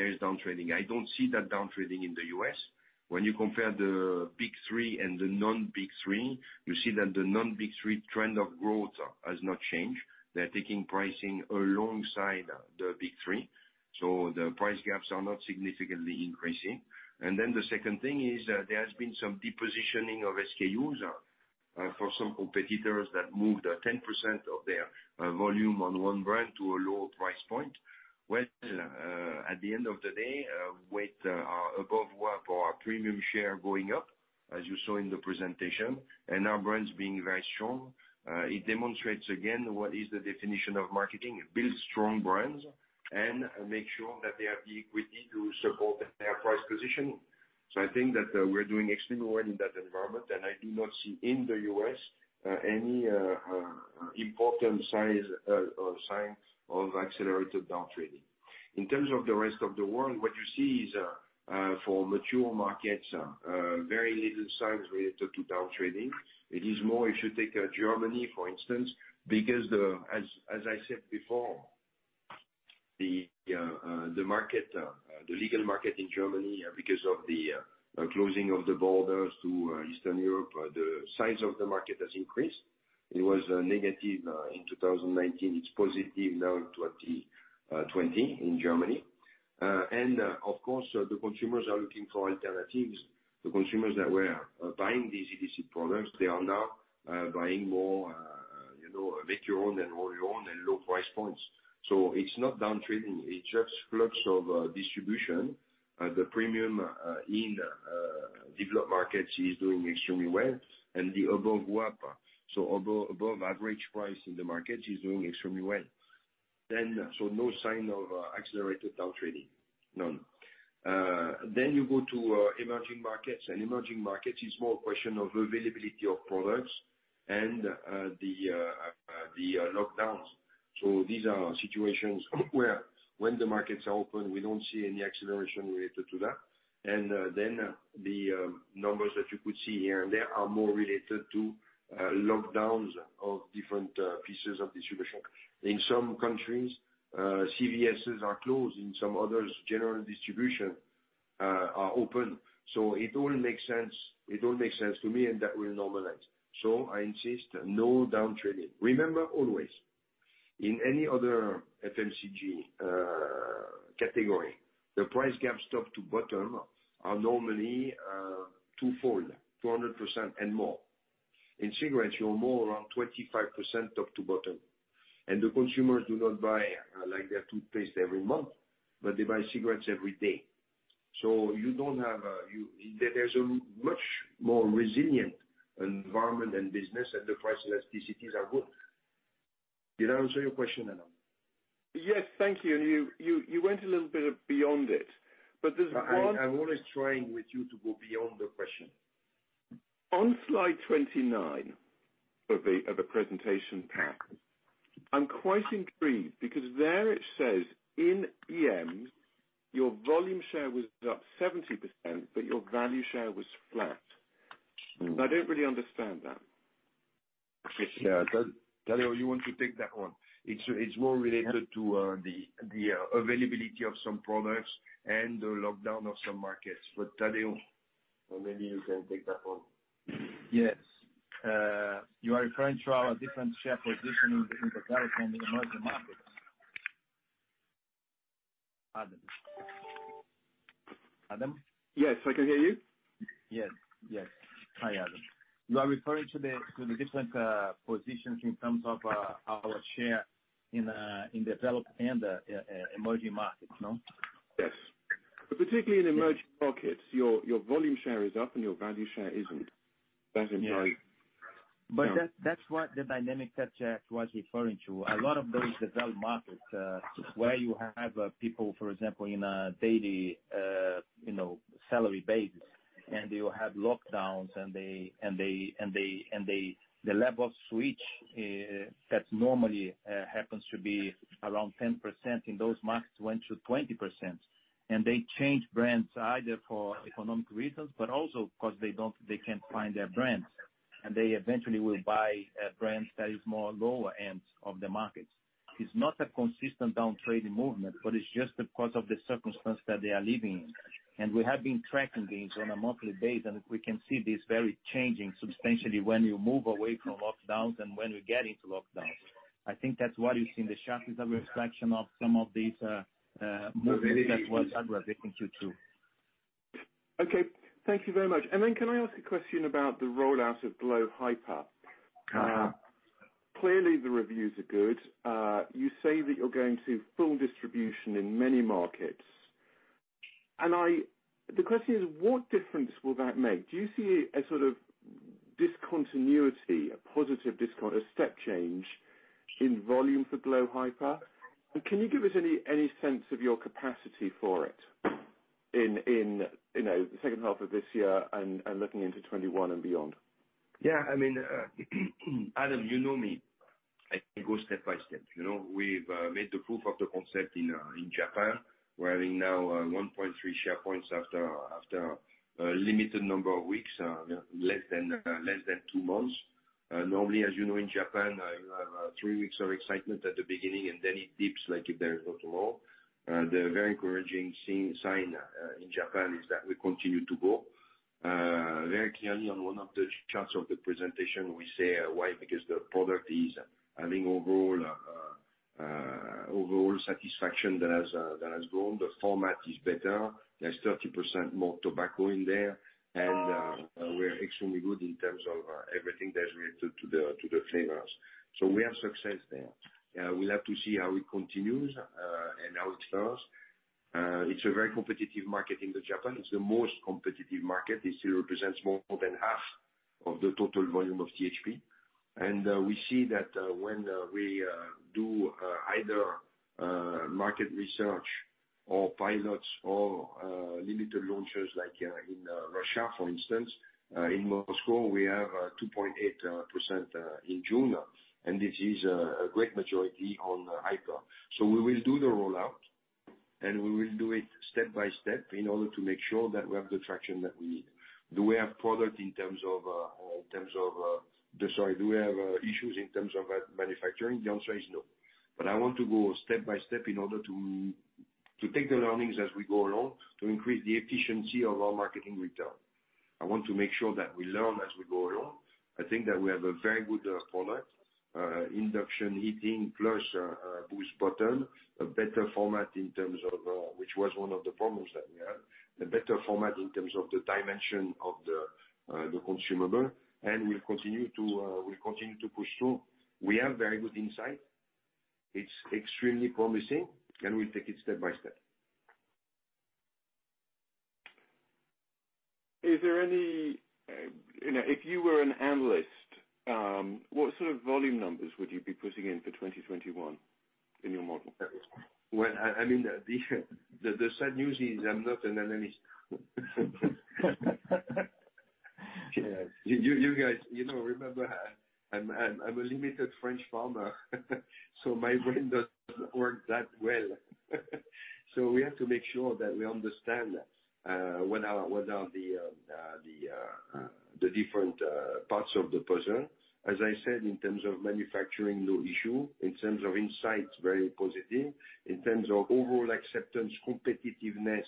is downtrading. I don't see that downtrading in the U.S. When you compare the big three and the non-big three, you see that the non-big three trend of growth has not changed. They're taking pricing alongside the big three, so the price gaps are not significantly increasing. The second thing is, there has been some depositioning of SKUs for some competitors that moved 10% of their volume on one brand to a lower price point. Well, at the end of the day, with our Above WAP or our premium share going up, as you saw in the presentation, and our brands being very strong, it demonstrates again what is the definition of marketing. Build strong brands and make sure that they have the equity to support their price position. I think that we're doing extremely well in that environment, and I do not see, in the U.S., any important signs of accelerated downtrading. In terms of the rest of the world, what you see is, for mature markets, very little signs related to downtrading. It is more if you take Germany, for instance, because as I said before, the legal market in Germany, because of the closing of the borders to Eastern Europe, the size of the market has increased. It was negative in 2019. It's positive now in 2020 in Germany. Of course, the consumers are looking for alternatives. The consumers that were buying these EVC products, they are now buying more make your own and roll your own and low price points. It's not downtrading, it's just flux of distribution. The premium in developed markets is doing extremely well and the above WAP, so above average price in the market, is doing extremely well. No sign of accelerated downtrading. None. You go to emerging markets, and emerging markets is more a question of availability of products and the lockdowns. These are situations where when the markets are open, we don't see any acceleration related to that. The numbers that you could see here and there are more related to lockdowns of different pieces of distribution. In some countries, CVSs are closed. In some others, general distribution are open. It all makes sense to me, and that will normalize. I insist, no downtrading. Remember always, in any other FMCG category, the price gaps, top to bottom, are normally two-fold, 200% and more. In cigarettes, you're more around 25% top to bottom. The consumers do not buy their toothpaste every month, but they buy cigarettes every day. There's a much more resilient environment and business, and the price elasticities are good. Did I answer your question, Adam? Yes. Thank you. You went a little bit beyond it. I'm always trying with you to go beyond the question. On slide 29 of the presentation pack, I'm quite intrigued because there it says, in EMs, your volume share was up 70%, but your value share was flat. I don't really understand that. Yeah. Tadeu, you want to take that one? It's more related to the availability of some products and the lockdown of some markets. Tadeu, maybe you can take that one. Yes. You are referring to our different share positioning between developed and emerging markets. Adam. Adam? Yes, I can hear you. Yes. Hi, Adam. You are referring to the different positions in terms of our share in developed and emerging markets, no? Yes. Particularly in emerging markets, your volume share is up and your value share isn't. That's what the dynamic that Jack was referring to. A lot of those developed markets, where you have people, for example, in a daily salary basis, and you have lockdowns and the level of switch that normally happens to be around 10% in those markets went to 20%. They change brands either for economic reasons, but also because they can't find their brands, and they eventually will buy a brand that is more lower end of the markets. It's not a consistent downtrading movement, but it's just because of the circumstance that they are living in. We have been tracking these on a monthly basis, and we can see this very changing substantially when you move away from lockdowns than when we get into lockdowns. I think that's what you see in the chart, is a reflection of some of these movements that was referring to, too. Okay. Thank you very much. Can I ask a question about the rollout of glo Hyper? Clearly, the reviews are good. You say that you're going to full distribution in many markets. The question is, what difference will that make? Do you see a sort of? Discontinuity, a positive discontinuity, a step change in volume for glo Hyper. Can you give us any sense of your capacity for it in the second half of this year and looking into 2021 and beyond? Adam, you know me. I go step by step. We've made the proof of the concept in Japan. We're having now 1.3 share points after a limited number of weeks, less than two months. Normally, as you know, in Japan, you have three weeks of excitement at the beginning. Then it dips like if there is not more. The very encouraging sign in Japan is that we continue to go. Very clearly on one of the charts of the presentation, we say why, because the product is having overall satisfaction that has grown. The format is better. There's 30% more tobacco in there. We're extremely good in terms of everything that's related to the flavors. We have success there. We'll have to see how it continues, and how it starts. It's a very competitive market in Japan. It's the most competitive market. It still represents more than half of the total volume of THP. We see that when we do either market research or pilots or limited launches, like in Russia, for instance. In Moscow, we have 2.8% in June, and this is a great majority on Hyper. We will do the rollout, and we will do it step by step in order to make sure that we have the traction that we need. Do we have issues in terms of manufacturing? The answer is no. I want to go step by step in order to take the learnings as we go along to increase the efficiency of our marketing return. I want to make sure that we learn as we go along. I think that we have a very good product. induction heating plus a boost button. A better format, which was one of the problems that we had. A better format in terms of the dimension of the consumable. We'll continue to push through. We have very good insight. It's extremely promising, and we'll take it step by step. If you were an analyst, what sort of volume numbers would you be putting in for 2021 in your model? The sad news is I'm not an analyst. You guys remember, I'm a limited French farmer, so my brain doesn't work that well. We have to make sure that we understand what are the different parts of the puzzle. As I said, in terms of manufacturing, no issue. In terms of insights, very positive. In terms of overall acceptance, competitiveness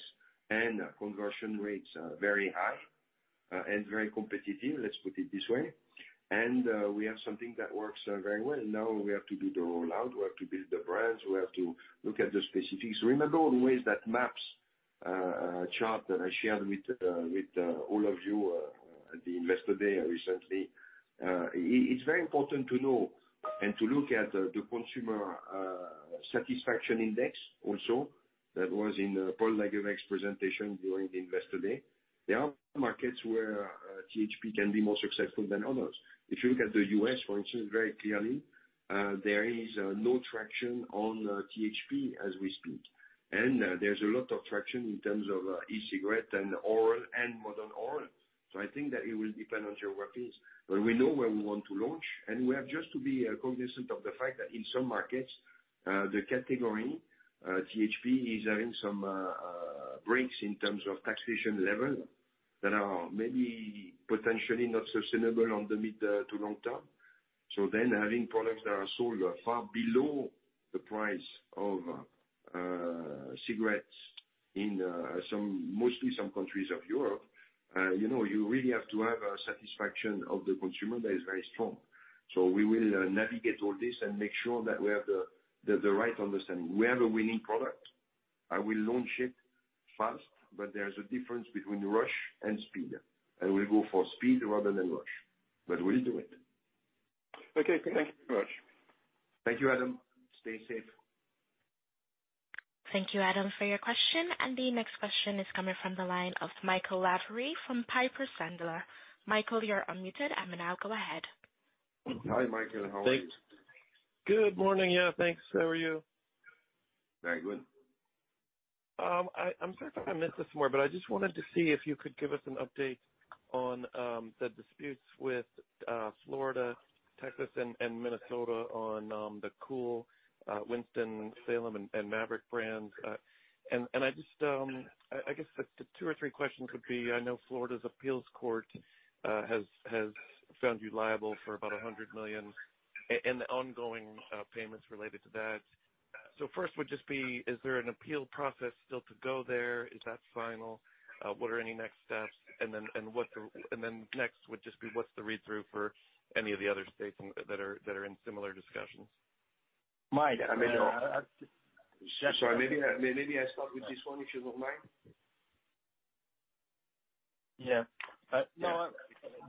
and conversion rates are very high and very competitive, let's put it this way. We have something that works very well. Now we have to do the rollout. We have to build the brands. We have to look at the specifics. Remember the ways that MAPS chart that I shared with all of you at the Investor Day recently. It's very important to know and to look at the consumer satisfaction index also. That was in Paul Lageweg's presentation during the Investor Day. There are markets where THP can be more successful than others. If you look at the U.S., for instance, very clearly, there is no traction on THP as we speak. There's a lot of traction in terms of e-cigarette and oral and Modern Oral. I think that it will depend on geographies. We know where we want to launch, and we have just to be cognizant of the fact that in some markets, the category, THP, is having some breaks in terms of taxation level that are maybe potentially not sustainable on the mid to long term. Having products that are sold far below the price of cigarettes in mostly some countries of Europe. You really have to have a satisfaction of the consumer that is very strong. We will navigate all this and make sure that we have the right understanding. We have a winning product. I will launch it fast, but there is a difference between rush and speed. I will go for speed rather than rush. We'll do it. Okay. Thank you very much. Thank you, Adam. Stay safe. Thank you, Adam, for your question. The next question is coming from the line of Michael Lavery from Piper Sandler. Michael, you're unmuted. Now go ahead. Hi, Michael. How are you? Good morning. Yeah, thanks. How are you? Very good. I'm sorry if I missed this more, but I just wanted to see if you could give us an update on the disputes with Florida, Texas, and Minnesota on the Kool, Winston, Salem and Maverick brands. I guess the two or three questions could be, I know Florida's appeals court has found you liable for about 100 million and the ongoing payments related to that. First would just be, is there an appeal process still to go there? Is that final? What are any next steps? Next would just be what's the read-through for any of the other states that are in similar discussions? Michael- Jack? Sorry. Maybe I start with this one, if you don't mind. Yeah.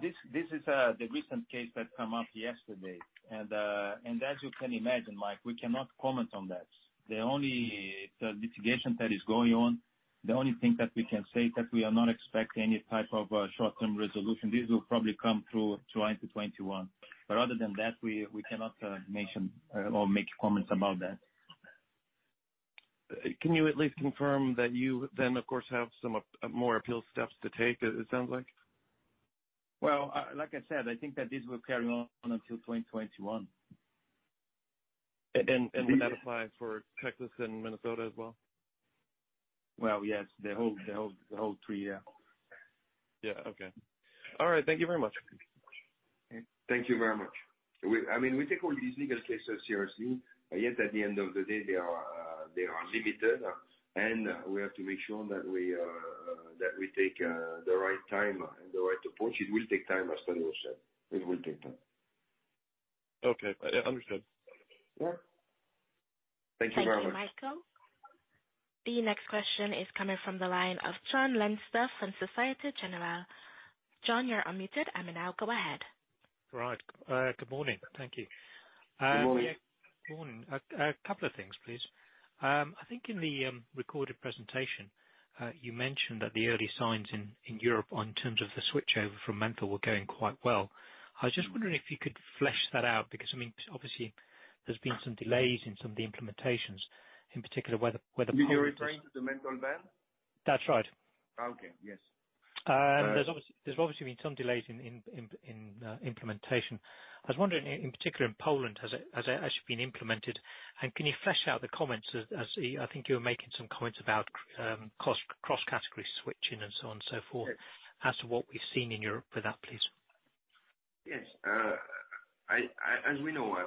This is the recent case that come up yesterday. As you can imagine, Michael, we cannot comment on that. The only litigation that is going on The only thing that we can say is that we are not expecting any type of short-term resolution. This will probably come through 2021. Other than that, we cannot mention or make comments about that. Can you at least confirm that you then, of course, have some more appeal steps to take, it sounds like? Well, like I said, I think that this will carry on until 2021. Will that apply for Texas and Minnesota as well? Well, yes, the whole three, yeah. Yeah. Okay. All right. Thank you very much. Thank you very much. We take all these legal cases seriously. At the end of the day, they are limited, and we have to make sure that we take the right time and the right approach. It will take time, as Tadeu said. It will take time. Okay. Understood. Yeah. Thank you very much. Thank you, Michael. The next question is coming from the line of Jon Leinster from Societe Generale. Jon, you're unmuted and now go ahead. Right. Good morning. Thank you. Good morning. Good morning. A couple of things, please. I think in the recorded presentation, you mentioned that the early signs in Europe in terms of the switchover from menthol were going quite well. I was just wondering if you could flesh that out, because obviously there's been some delays in some of the implementations, in particular. You're referring to the Menthol Ban? That's right. Okay. Yes. There's obviously been some delays in implementation. I was wondering in particular in Poland, has it actually been implemented? Can you flesh out the comments, as I think you were making some comments about cross-category switching and so on and so forth. Yes As to what we've seen in Europe with that, please. Yes. As we know,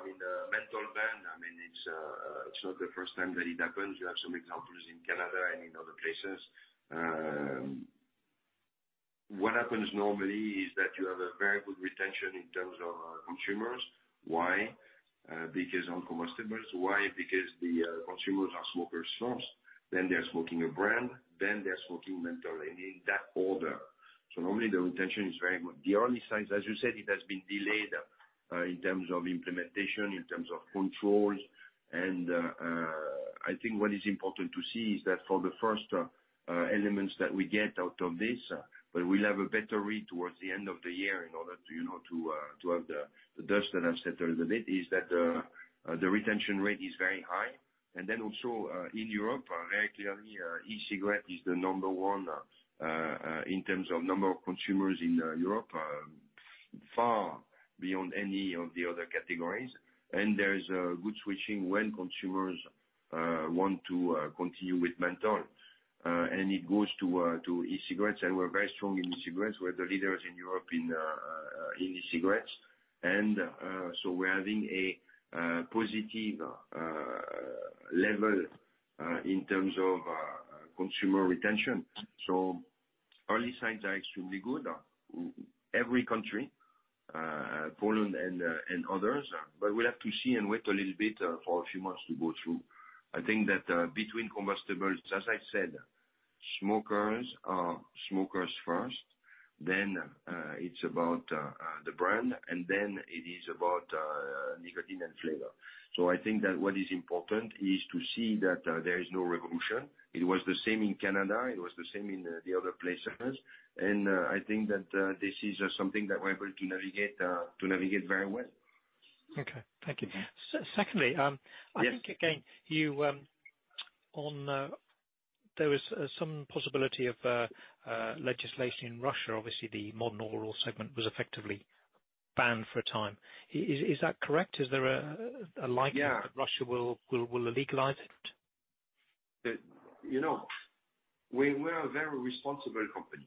menthol ban, it's not the first time that it happens. You have some examples in Canada and in other places. What happens normally is that you have a very good retention in terms of consumers. Why? Because on combustibles. Why? Because the consumers are smokers first, then they're smoking a brand, then they're smoking menthol, and in that order. Normally the retention is very good. The early signs, as you said, it has been delayed, in terms of implementation, in terms of controls. I think what is important to see is that for the first elements that we get out of this, but we'll have a better read towards the end of the year in order to have the dust that has settled a bit, is that the retention rate is very high. Also, in Europe, very clearly, e-cigarette is the number one in terms of number of consumers in Europe, far beyond any of the other categories. There is a good switching when consumers want to continue with menthol. It goes to e-cigarettes, we're very strong in e-cigarettes. We're the leaders in Europe in e-cigarettes. We're having a positive level in terms of consumer retention. Early signs are extremely good. Every country, Poland and others. We'll have to see and wait a little bit for a few months to go through. I think that between combustibles, as I said, smokers are smokers first, it's about the brand, it is about nicotine and flavor. I think that what is important is to see that there is no revolution. It was the same in Canada. It was the same in the other places. I think that this is just something that we're able to navigate very well. Okay. Thank you. Secondly- Yes I think, again, there was some possibility of legislation in Russia. Obviously, the Modern Oral segment was effectively banned for a time. Is that correct? Is there a likelihood- Yeah That Russia will legalize it? We're a very responsible company,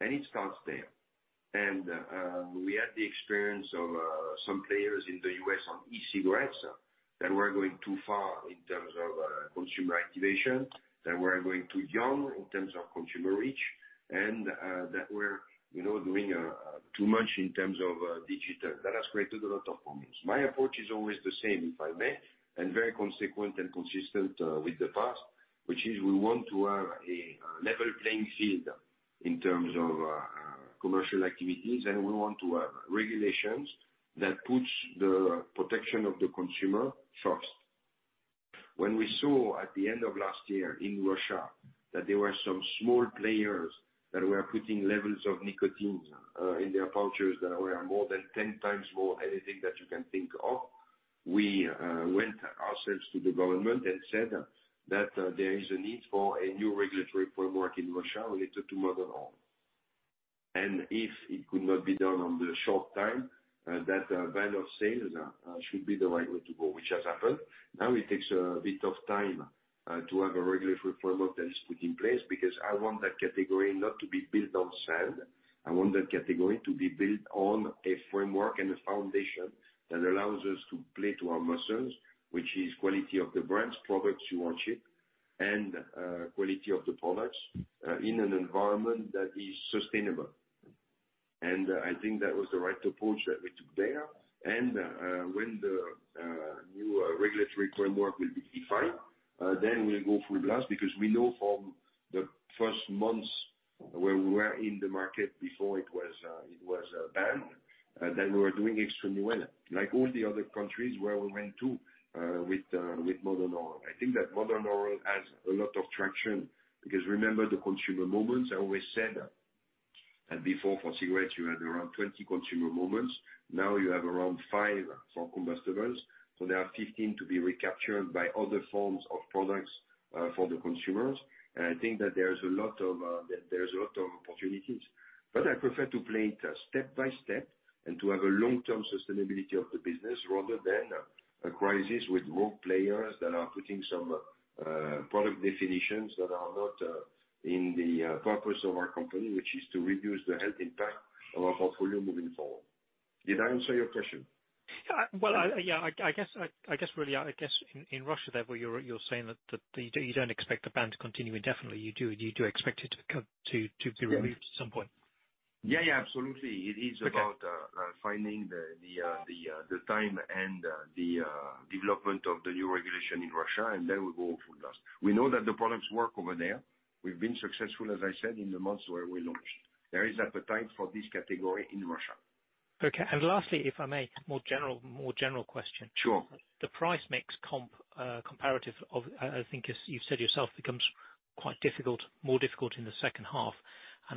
and it starts there. We had the experience of some players in the U.S. on e-cigarettes that were going too far in terms of consumer activation, that were going too young in terms of consumer reach, and that were doing too much in terms of digital. That has created a lot of problems. My approach is always the same, if I may, and very consequent and consistent with the past, which is we want to have a level playing field in terms of commercial activities, and we want to have regulations that puts the protection of the consumer first. When we saw at the end of last year in Russia that there were some small players that were putting levels of nicotine in their pouches that were more than 10x more anything that you can think of, we went ourselves to the government and said that there is a need for a new regulatory framework in Russia related to Modern Oral. If it could not be done on the short time, that ban of sales should be the right way to go, which has happened. Now it takes a bit of time to have a regulatory framework that is put in place, because I want that category not to be built on sand. I want that category to be built on a framework and a foundation that allows us to play to our muscles, which is quality of the brands, products you want cheap, and quality of the products in an environment that is sustainable. I think that was the right approach that we took there. When the new regulatory framework will be defined, then we'll go full blast, because we know from the first months where we were in the market before it was banned, that we were doing extremely well, like all the other countries where we went too, with Modern Oral. I think that Modern Oral has a lot of traction, because remember the consumer moments, I always said that before, for cigarettes, you had around 20 consumer moments. Now you have around five for combustibles, so there are 15 to be recaptured by other forms of products for the consumers. I think that there's a lot of opportunities. I prefer to play it step by step and to have a long-term sustainability of the business rather than a crisis with more players that are putting some product definitions that are not in the purpose of our company, which is to reduce the health impact of our portfolio moving forward. Did I answer your question? Well, yeah. I guess, in Russia, therefore, you're saying that you don't expect the ban to continue indefinitely. You do expect it to be relieved at some point. Yeah, absolutely. It is about finding the time and the development of the new regulation in Russia, and then we go full blast. We know that the products work over there. We've been successful, as I said, in the months where we launched. There is appetite for this category in Russia. Okay. Lastly, if I may, more general question? Sure. The price makes comparative of, I think, as you've said yourself, becomes quite difficult, more difficult in the second half. I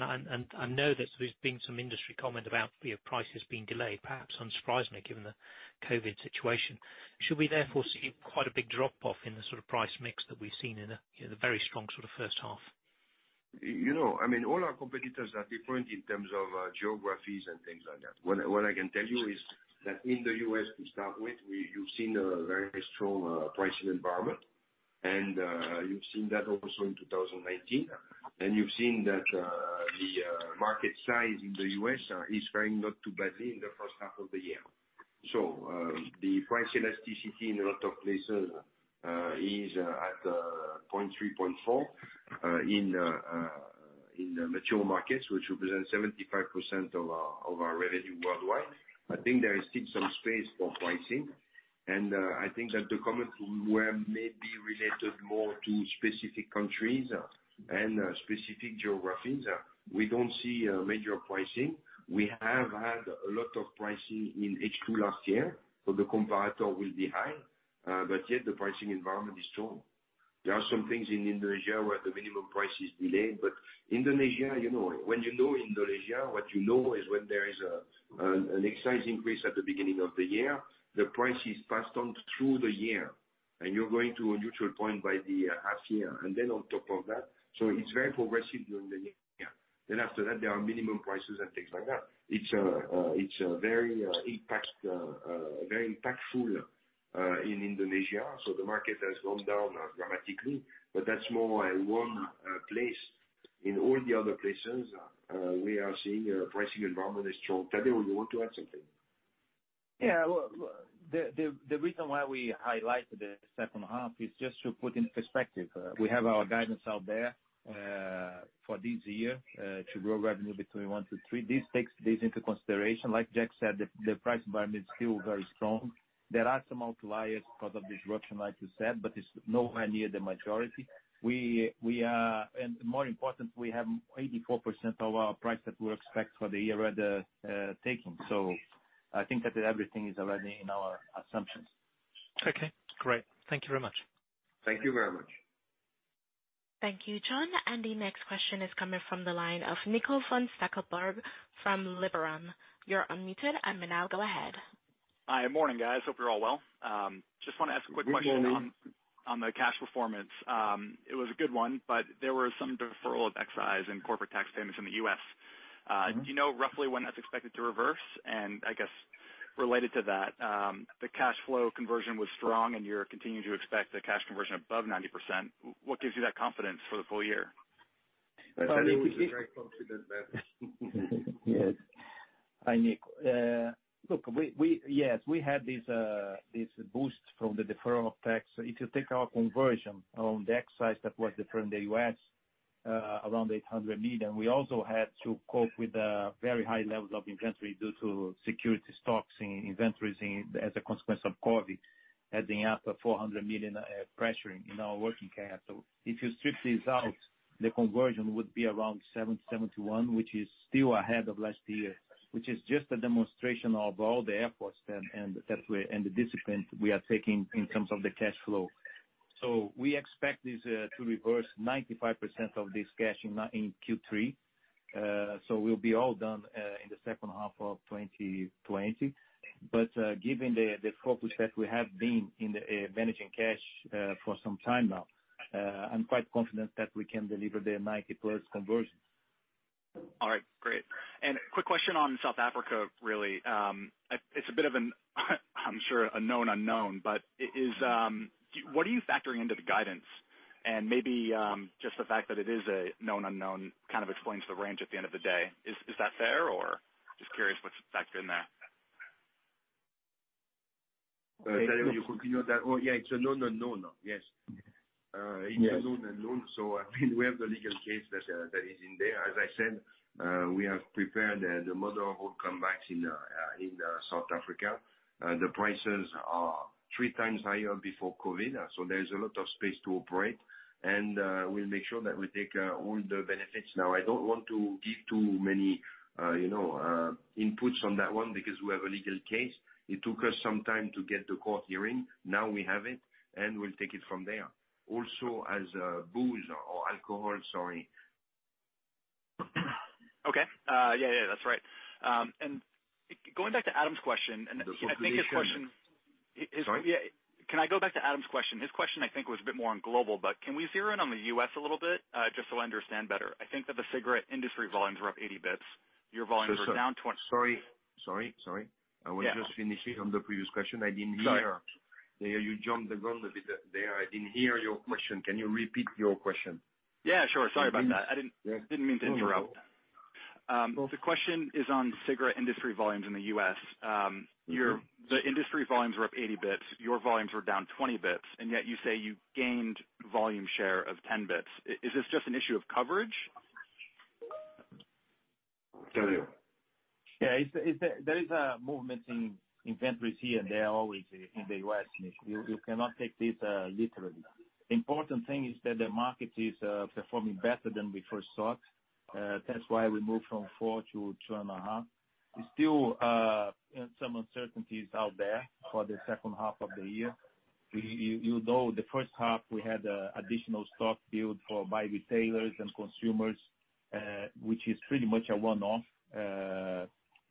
know that there's been some industry comment about the prices being delayed, perhaps unsurprisingly, given the COVID situation. Should we therefore see quite a big drop-off in the price mix that we've seen in the very strong first half? All our competitors are different in terms of geographies and things like that. What I can tell you is that in the U.S., to start with, you've seen a very strong pricing environment, and you've seen that also in 2019. You've seen that the market size in the U.S. is faring not too badly in the first half of the year. The price elasticity in a lot of places is at a 0.3, 0.4 in mature markets, which represent 75% of our revenue worldwide. I think there is still some space for pricing, and I think that the comments were maybe related more to specific countries and specific geographies. We don't see a major pricing. We have had a lot of pricing in H2 last year, so the comparator will be high. Yet the pricing environment is strong. There are some things in Indonesia where the minimum price is delayed. Indonesia, when you know Indonesia, what you know is when there is an excise increase at the beginning of the year, the price is passed on through the year, and you're going to a neutral point by the half year. On top of that it's very progressive during the year. After that, there are minimum prices and things like that. It's very impactful in Indonesia. The market has gone down dramatically, but that's more one place. In all the other places, we are seeing a pricing environment is strong. Tadeu, you want to add something? Yeah. The reason why we highlighted the second half is just to put into perspective. We have our guidance out there for this year to grow revenue between 1%-3%. This takes this into consideration. Like Jack said, the price environment is still very strong. There are some outliers because of disruption, like you said, but it's nowhere near the majority. More important, we have 84% of our price that we expect for the year already taken. I think that everything is already in our assumptions. Okay, great. Thank you very much. Thank you very much. Thank you, Jon. The next question is coming from the line of Nico von Stackelberg from Liberum. You're unmuted, and now go ahead. Hi. Morning, guys. Hope you're all well. Just want to ask a quick question. Good morning. On the cash performance, it was a good one. There were some deferral of excise and corporate tax payments in the U.S. Do you know roughly when that's expected to reverse? I guess related to that, the cash flow conversion was strong, and you're continuing to expect the cash conversion above 90%. What gives you that confidence for the full year? Tadeu is a very confident man. Yes. Hi, Nico. Look, yes, we had this boost from the deferral of tax. If you take our conversion on the excise that was deferred in the U.S., around $800 million, we also had to cope with very high levels of inventory due to security stocks in inventories as a consequence of COVID, adding up $400 million pressuring in our working capital. If you strip this out, the conversion would be around 70%-71%, which is still ahead of last year, which is just a demonstration of all the efforts and the discipline we are taking in terms of the cash flow. We expect this to reverse 95% of this cash in Q3. We'll be all done in the second half of 2020. Given the focus that we have been in managing cash for some time now, I'm quite confident that we can deliver the 90 plus conversion. All right, great. Quick question on South Africa, really. It's a bit of an I'm sure a known unknown, but what are you factoring into the guidance and maybe just the fact that it is a known unknown kind of explains the range at the end of the day. Is that fair, or? Just curious what's factored in there. Tadeu, you continue that? Oh, yeah, it's a known unknown. Yes. Yes. It's a known unknown. We have the legal case that is in there, as I said. We have prepared the model will come back in South Africa. The prices are 3x higher before COVID, so there's a lot of space to operate, and we'll make sure that we take all the benefits. I don't want to give too many inputs on that one because we have a legal case. It took us some time to get the court hearing. We have it, and we'll take it from there. Also as booze or alcohol, sorry. Okay. Yeah, that's right. Going back to Adam's question. Sorry? Can I go back to Adam's question? His question, I think, was a bit more on global, can we zero in on the U.S. a little bit? Just so I understand better. I think that the cigarette industry volumes were up 80 basis points. Your volumes were down. Sorry. I was just finishing on the previous question. I didn't hear. You jumped the gun a bit there. I didn't hear your question. Can you repeat your question? Yeah, sure. Sorry about that. I didn't mean to interrupt. The question is on cigarette industry volumes in the U.S. The industry volumes were up 80 basis points. Your volumes were down 20 basis points, yet you say you gained volume share of 10 basis points. Is this just an issue of coverage? Signore. Yeah. There is a movement in inventories here and there always in the U.S. You cannot take this literally. Important thing is that the market is performing better than we first thought. That's why we moved from four to two and a half. There's still some uncertainties out there for the second half of the year. You know the first half, we had additional stock build for by retailers and consumers, which is pretty much a one-off,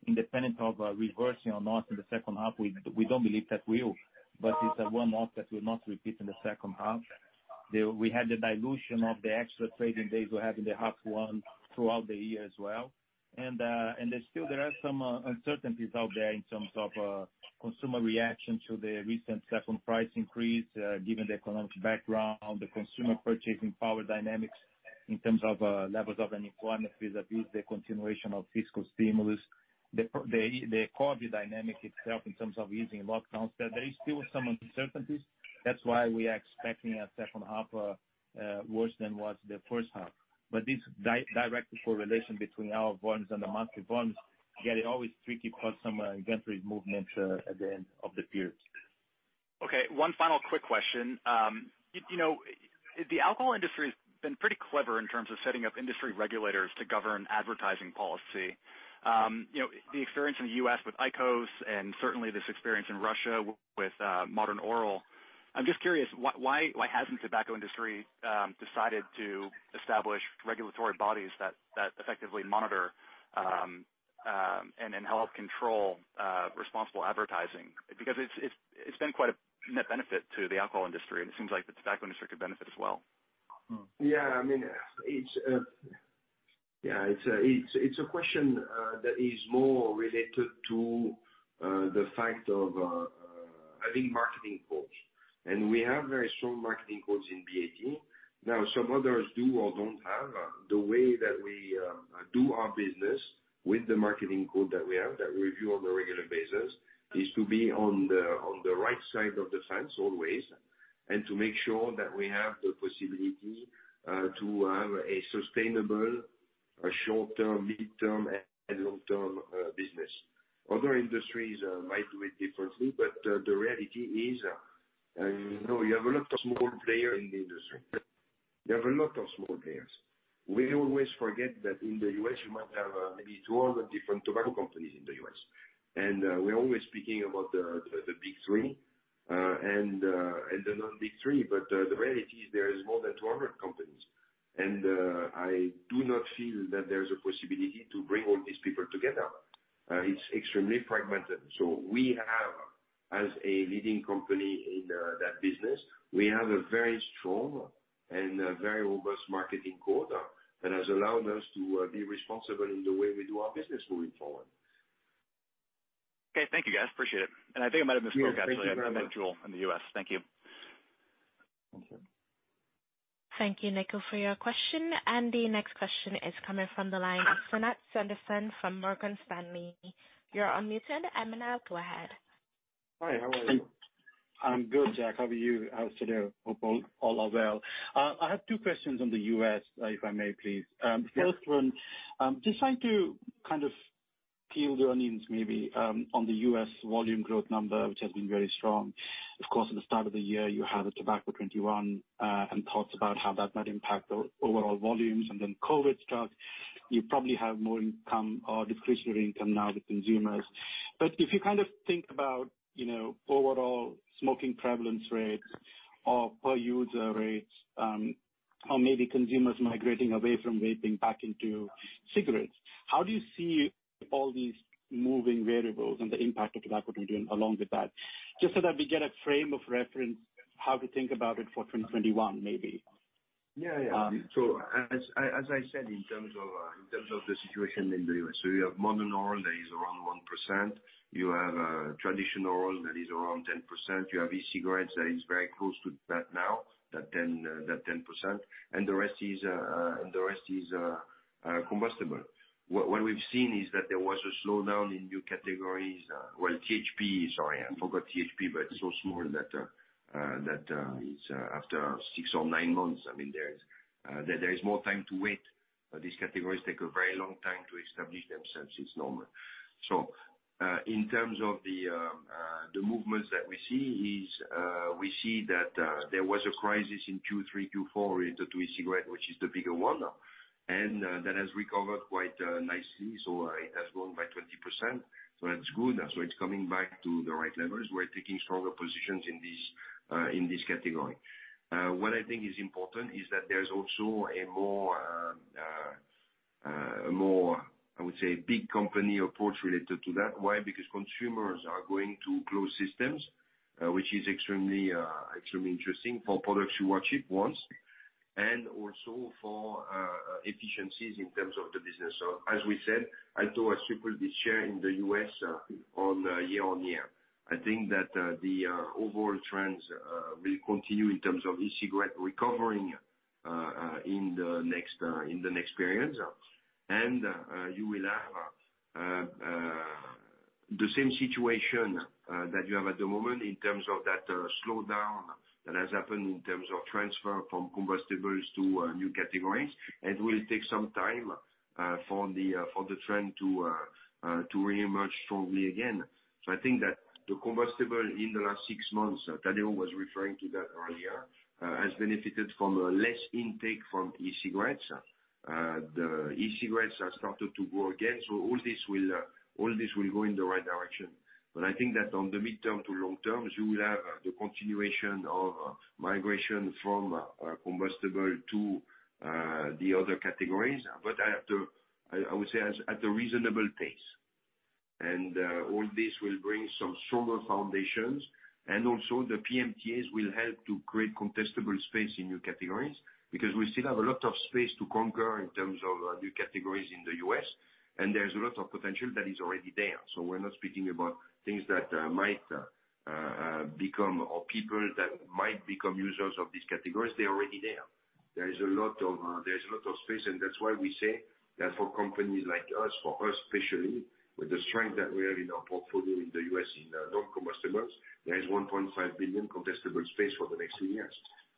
independent of reversing or not in the second half. We don't believe that will, but it's a one-off that will not repeat in the second half. We had the dilution of the extra trading days we had in the half one throughout the year as well. There still there are some uncertainties out there in terms of consumer reaction to the recent second price increase. Given the economic background, the consumer purchasing power dynamics in terms of levels of unemployment vis-a-vis the continuation of fiscal stimulus, the COVID dynamic itself in terms of easing lockdowns, there is still some uncertainties. That's why we are expecting a second half worse than was the first half. This direct correlation between our volumes and the monthly volumes, yeah, they're always tricky for some inventory movement at the end of the period. Okay, one final quick question. The alcohol industry has been pretty clever in terms of setting up industry regulators to govern advertising policy. The experience in the U.S. with IQOS and certainly this experience in Russia with Modern Oral. I'm just curious, why hasn't the tobacco industry decided to establish regulatory bodies that effectively monitor and help control responsible advertising? It's been quite a net benefit to the alcohol industry, and it seems like the tobacco industry could benefit as well. Yeah. It's a question that is more related to the fact of, I think, marketing codes, and we have very strong marketing codes in BAT. Some others do or don't have. The way that we do our business with the marketing code that we have, that we review on a regular basis, is to be on the right side of the fence always, and to make sure that we have the possibility to have a sustainable short-term, mid-term, and long-term business. Other industries might do it differently, but the reality is, you have a lot of small players in the industry. There are a lot of small players. We always forget that in the U.S., you might have maybe 200 different tobacco companies in the U.S. We're always speaking about the big three and the non-big three, but the reality is there is more than 200 companies. I do not feel that there's a possibility to bring all these people together. It's extremely fragmented. We have, as a leading company in that business, we have a very strong and very robust marketing code that has allowed us to be responsible in the way we do our business moving forward. Okay. Thank you, guys. Appreciate it. I think I might have misspoke actually. Yeah. Thank you very much. I meant Juul in the U.S. Thank you. Thank you. Thank you, Nico, for your question. The next question is coming from the line of Sanath Sudarsan from Morgan Stanley. You're unmuted, Amin, go ahead. Hi, how are you? I'm good, Jack. How are you? How's Celerio? Hope all are well. I have two questions on the U.S., if I may, please. Yes. First one, just trying to kind of peel the onions maybe, on the U.S. volume growth number, which has been very strong. At the start of the year, you have the Tobacco 21, and thoughts about how that might impact the overall volumes. COVID struck. You probably have more income or discretionary income now with consumers. If you think about overall smoking prevalence rates or per user rates, or maybe consumers migrating away from vaping back into cigarettes, how do you see all these moving variables and the impact of Tobacco 21 along with that? So that we get a frame of reference, how to think about it for 2021, maybe. As I said, in terms of the situation in the U.S., you have Modern Oral that is around 1%. You have traditional oral that is around 10%. You have e-cigarettes that is very close to that now, that 10%. The rest is combustible. What we've seen is that there was a slowdown in new categories. Well, THP, sorry, I forgot THP, but it's so small that after six or nine months, I mean, That there is more time to wait. These categories take a very long time to establish themselves, it's normal. In terms of the movements that we see is, we see that there was a crisis in Q3, Q4 into e-cigarette, which is the bigger one. That has recovered quite nicely. It has grown by 20%, that's good. It's coming back to the right levels. We're taking stronger positions in this category. What I think is important is that there's also a more, I would say, big company approach related to that. Why? Because consumers are going to closed systems, which is extremely interesting for products you watch it once, and also for efficiencies in terms of the business. As we said, Alto will triple its share in the U.S. on year-on-year. I think that the overall trends will continue in terms of e-cigarette recovering in the next period. You will have the same situation that you have at the moment in terms of that slowdown that has happened in terms of transfer from combustibles to new categories. It will take some time for the trend to reemerge strongly again. I think that the combustible in the last six months, Tadeu was referring to that earlier, has benefited from less intake from e-cigarettes. The e-cigarettes have started to grow again. All this will go in the right direction. I think that on the midterm to long term, you will have the continuation of migration from combustible to the other categories. I would say, at a reasonable pace. All this will bring some stronger foundations and also the PMTAs will help to create contestable space in new categories because we still have a lot of space to conquer in terms of new categories in the U.S. and there's a lot of potential that is already there. We're not speaking about things that might become, or people that might become users of these categories. They're already there. There is a lot of space, and that's why we say that for companies like us, for us especially, with the strength that we have in our portfolio in the U.S. in non-combustibles, there is 1.5 billion contestable space for the next three years.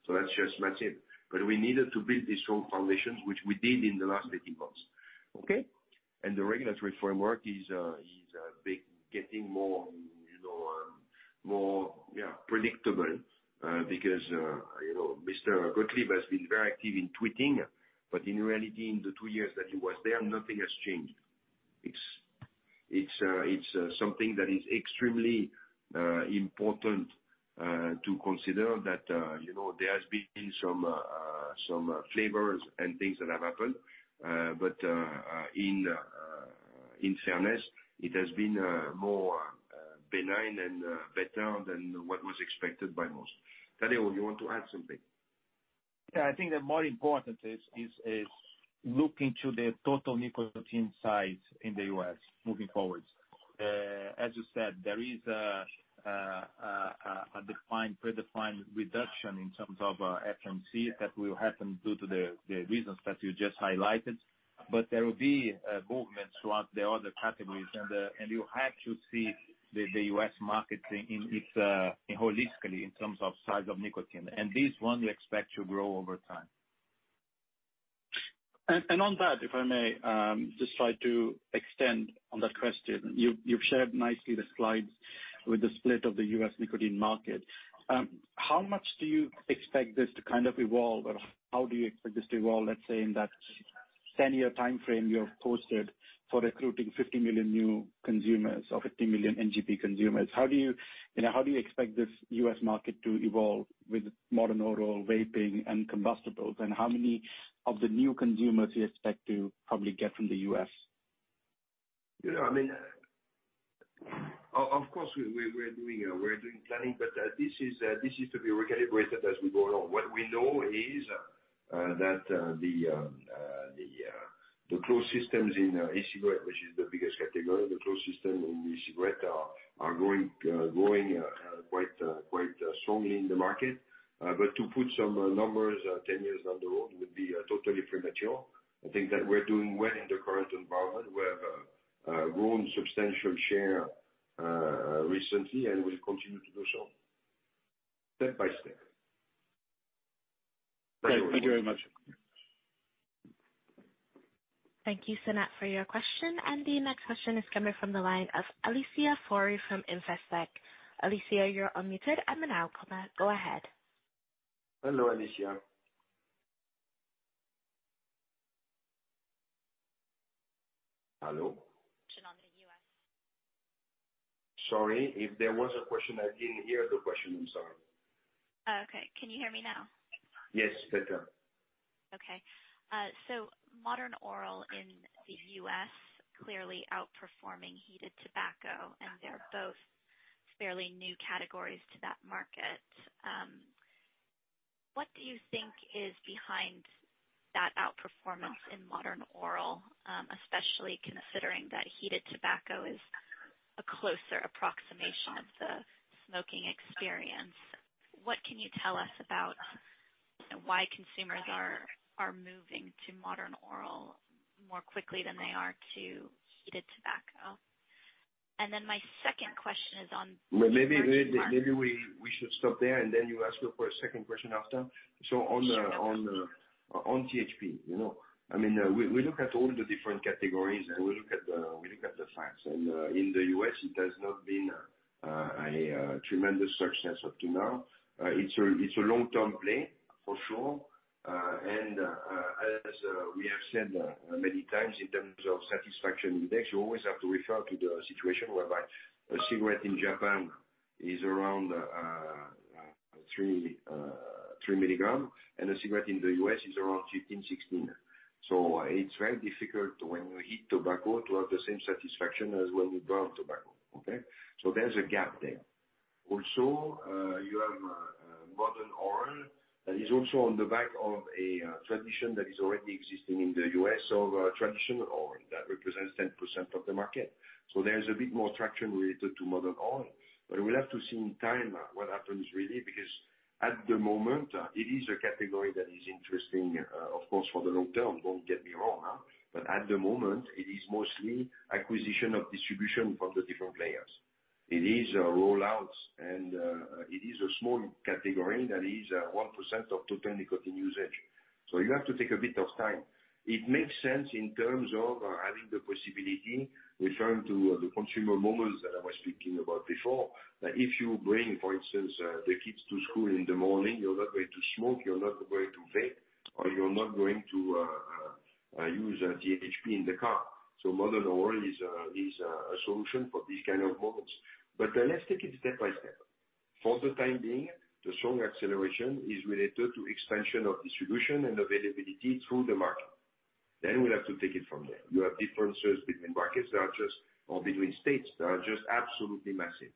That's just massive. We needed to build these strong foundations, which we did in the last 18 months. Okay. The regulatory framework is getting more predictable, because Mr. Gottlieb has been very active in tweeting, but in reality, in the two years that he was there, nothing has changed. It's something that is extremely important to consider that there has been some flavors and things that have happened. In fairness, it has been more benign and better than what was expected by most. Tadeu, you want to add something? Yeah. I think that more important is looking to the total nicotine size in the U.S. moving forward. As you said, there is a defined, predefined reduction in terms of FMC that will happen due to the reasons that you just highlighted. There will be movements throughout the other categories. You have to see the U.S. market holistically in terms of size of nicotine. This one we expect to grow over time. On that, if I may, just try to extend on that question. You've shared nicely the slides with the split of the U.S. nicotine market. How much do you expect this to evolve, or how do you expect this to evolve, let's say, in that 10-year timeframe you have posted for recruiting 50 million new consumers or 50 million NGP consumers? How do you expect this U.S. market to evolve with Modern Oral, Vapour, and combustibles, and how many of the new consumers do you expect to probably get from the U.S.? Of course, we're doing planning, but this is to be recalibrated as we go along. What we know is that the closed systems in e-cigarette, which is the biggest category, the closed system in e-cigarette, are growing quite strongly in the market. But to put some numbers, 10 years down the road, would be totally premature. I think that we're doing well in the current environment. We have grown substantial share recently, and we'll continue to do so step by step. Thank you very much. Thank you, Sanath, for your question. The next question is coming from the line of Alicia Forry from Investec. Alicia, you're unmuted and unblocked. Go ahead. Hello, Alicia. Hello? On the U.S. Sorry. If there was a question, I didn't hear the question. I'm sorry. Oh, okay. Can you hear me now? Yes, better. Okay. Modern Oral in the U.S. clearly outperforming heated tobacco, and they're both fairly new categories to that market. What do you think is behind that outperformance in Modern Oral, especially considering that heated tobacco is a closer approximation of the smoking experience? What can you tell us about why consumers are moving to Modern Oral more quickly than they are to heated tobacco? My second question is on- Maybe we should stop there, then you ask your second question after. On THP, we look at all the different categories, and we look at the facts. In the U.S., it has not been a tremendous success up to now. It's a long-term play, for sure. As we have said many times, in terms of satisfaction index, you always have to refer to the situation whereby a cigarette in Japan is around 3 mg, and a cigarette in the U.S. is around 15, 16. It's very difficult when you heat tobacco to have the same satisfaction as when you burn tobacco. Okay. There's a gap there. Also, you have Modern Oral, and it's also on the back of a tradition that is already existing in the U.S. of a traditional oral that represents 10% of the market. There is a bit more traction related to Modern Oral, but we'll have to see in time what happens really, because at the moment, it is a category that is interesting, of course, for the long term. Don't get me wrong. At the moment, it is mostly acquisition of distribution from the different players. It is a rollout, and it is a small category that is 1% of total nicotine usage. You have to take a bit of time. It makes sense in terms of having the possibility, referring to the consumer moments that I was speaking about before, that if you bring, for instance, the kids to school in the morning, you're not going to smoke, you're not going to vape, or you're not going to use THP in the car. Modern Oral is a solution for these kind of moments. Let's take it step by step. For the time being, the strong acceleration is related to expansion of distribution and availability through the market. We'll have to take it from there. You have differences between markets or between states that are just absolutely massive.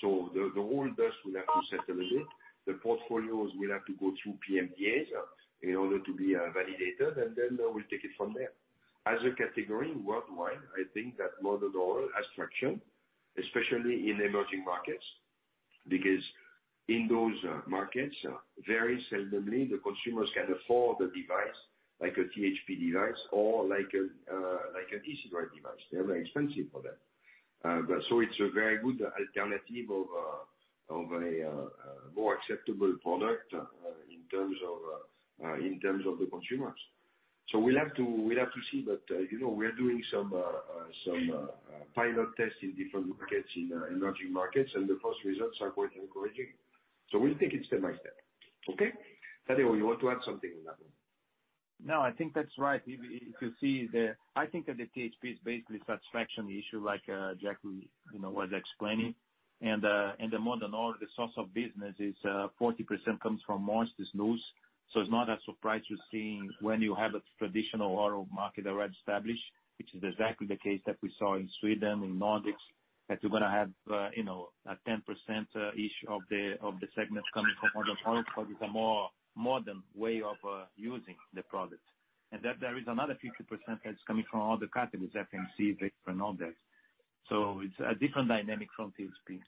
The whole dust will have to settle a bit. The portfolios will have to go through PMTAs in order to be validated, and then we'll take it from there. As a category worldwide, I think that Modern Oral has traction, especially in emerging markets, because in those markets, very seldomly the consumers can afford a device like a THP device or like an e-cigarette device. They are very expensive for them. It's a very good alternative of a more acceptable product in terms of the consumers. We'll have to see, but we are doing some pilot tests in different markets, in emerging markets, and the first results are quite encouraging. We'll take it step by step. Okay? Tadeu, you want to add something on that one? No, I think that's right. I think that the THP is basically a satisfaction issue, like Jack was explaining. The Modern Oral, the source of business is 40% comes from moist snuff. It's not a surprise you're seeing when you have a traditional oral market already established, which is exactly the case that we saw in Sweden, in Nordics, that you're going to have 10% each of the segments coming from other products, but it's a more modern way of using the product. That there is another 50% that's coming from other categories, FMC, Vapour, and others. It's a different dynamic from THP.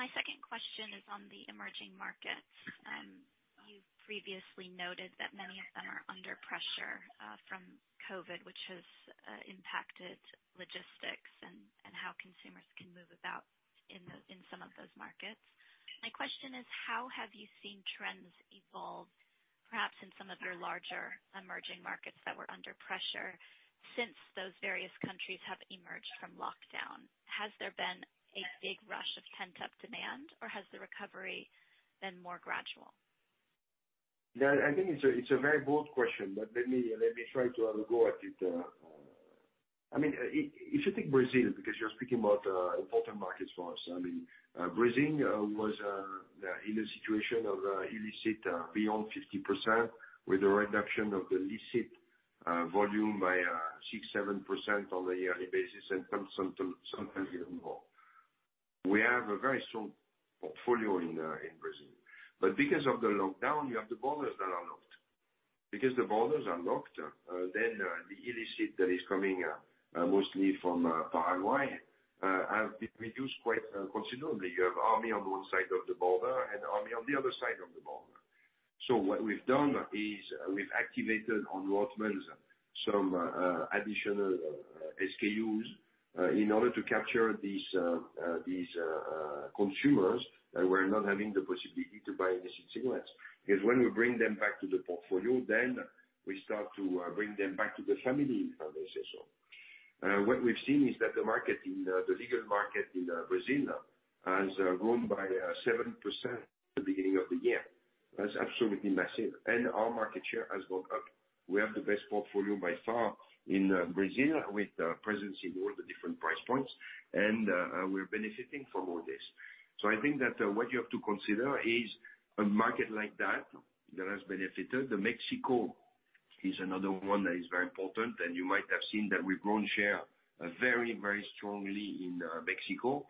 Yeah. My second question is on the emerging markets. You previously noted that many of them are under pressure from COVID, which has impacted logistics and how consumers can move about in some of those markets. My question is, how have you seen trends evolve, perhaps in some of your larger emerging markets that were under pressure since those various countries have emerged from lockdown? Has there been a big rush of pent-up demand, or has the recovery been more gradual? I think it's a very broad question. Let me try to have a go at it. If you take Brazil, because you're speaking about important markets for us. Brazil was in a situation of illicit beyond 50%, with a reduction of the licit volume by 6%, 7% on a yearly basis, and sometimes even more. We have a very strong portfolio in Brazil. Because of the lockdown, you have the borders that are locked. Because the borders are locked, the illicit that is coming mostly from Paraguay has been reduced quite considerably. You have army on one side of the border and army on the other side of the border. What we've done is we've activated on Rothmans some additional SKUs in order to capture these consumers that were not having the possibility to buy illicit cigarettes. When we bring them back to the portfolio, then we start to bring them back to the family, if I may say so. What we've seen is that the legal market in Brazil has grown by 7% at the beginning of the year. That's absolutely massive. Our market share has gone up. We have the best portfolio by far in Brazil, with presence in all the different price points, and we're benefiting from all this. I think that what you have to consider is a market like that has benefited. Mexico is another one that is very important, and you might have seen that we've grown share very strongly in Mexico.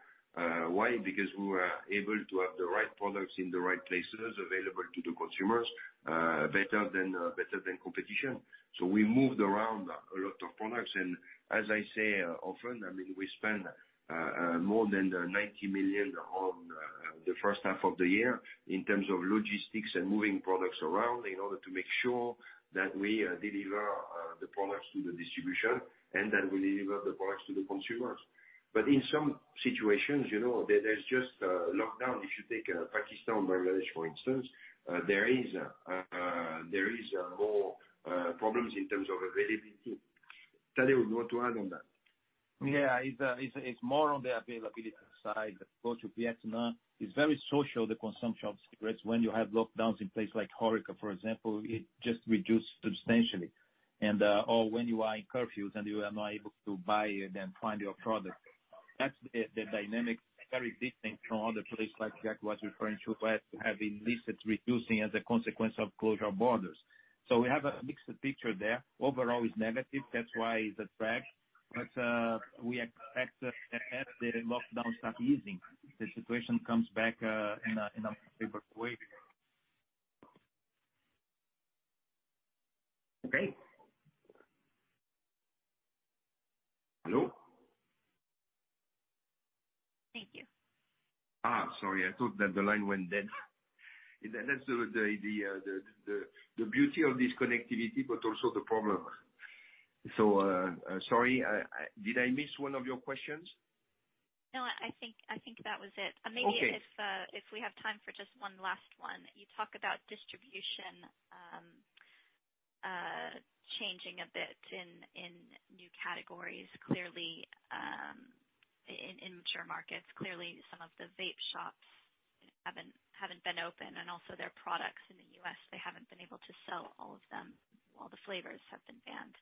Why? Because we were able to have the right products in the right places available to the consumers, better than competition. We moved around a lot of products, and as I say often, we spent more than 90 million on the first half of the year in terms of logistics and moving products around in order to make sure that we deliver the products to the distribution and that we deliver the products to the consumers. In some situations, there's If you take Pakistan or Bangladesh, for instance, there is more problems in terms of availability. Tadeu, what to add on that? It's more on the availability side. If you go to Vietnam, it's very social, the consumption of cigarettes. When you have lockdowns in place like HORECA, for example, it just reduced substantially, or when you are in curfews and you are not able to buy and find your product. That's the dynamic very different from other places like Jack was referring to, where we have illicit reducing as a consequence of closure of borders. We have a mixed picture there. Overall, it's negative, that's why the drag. We expect that as the lockdowns start easing, the situation comes back in a favorable way. Okay. Hello? Thank you. Sorry. I thought that the line went dead. That's the beauty of this connectivity, but also the problem. Sorry, did I miss one of your questions? No, I think that was it. Okay. Maybe if we have time for just one last one. You talk about distribution changing a bit in new categories. Clearly, in mature markets, clearly some of the vape shops haven't been open and also their products in the U.S., they haven't been able to sell all of them. All the flavors have been banned.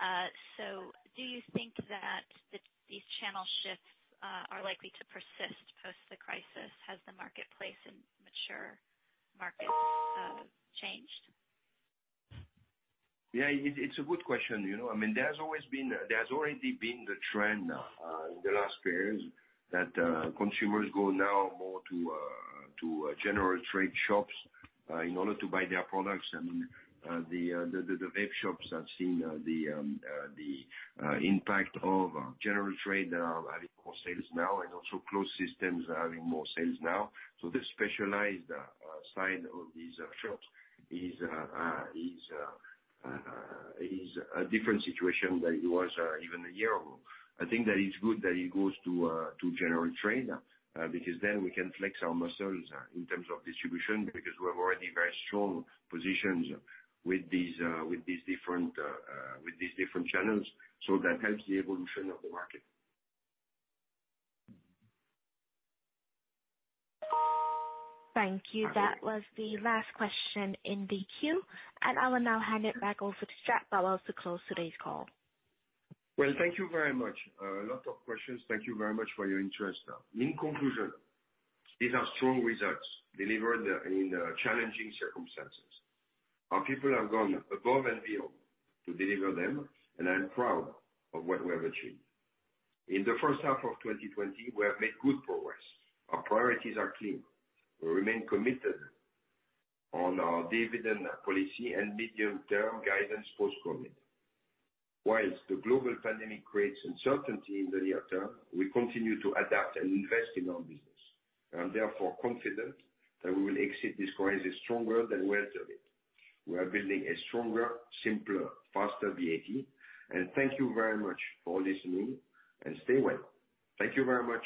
Do you think that these channel shifts are likely to persist post the crisis? Has the marketplace in mature markets changed? Yeah. It's a good question. There's already been the trend now in the last years that consumers go now more to general trade shops in order to buy their products. The vape shops have seen the impact of general trade are having more sales now, and also closed systems are having more sales now. This specialized side of these shops is a different situation than it was even a year ago. I think that it's good that it goes to general trade, because then we can flex our muscles in terms of distribution, because we have already very strong positions with these different channels. That helps the evolution of the market. Thank you. That was the last question in the queue, and I will now hand it back over to Jack Bowles to close today's call. Well, thank you very much. A lot of questions. Thank you very much for your interest. In conclusion, these are strong results delivered in challenging circumstances. Our people have gone above and beyond to deliver them, and I'm proud of what we have achieved. In the first half of 2020, we have made good progress. Our priorities are clear. We remain committed on our dividend policy and medium-term guidance post-COVID. Whilst the global pandemic creates uncertainty in the near term, we continue to adapt and invest in our business. I am therefore confident that we will exit this crisis stronger than we entered it. We are building a stronger, simpler, faster BAT. Thank you very much for listening, and stay well. Thank you very much.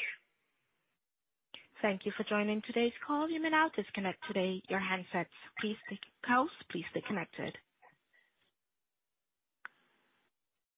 Thank you for joining today's call. You may now disconnect today your handsets. Please stay connected.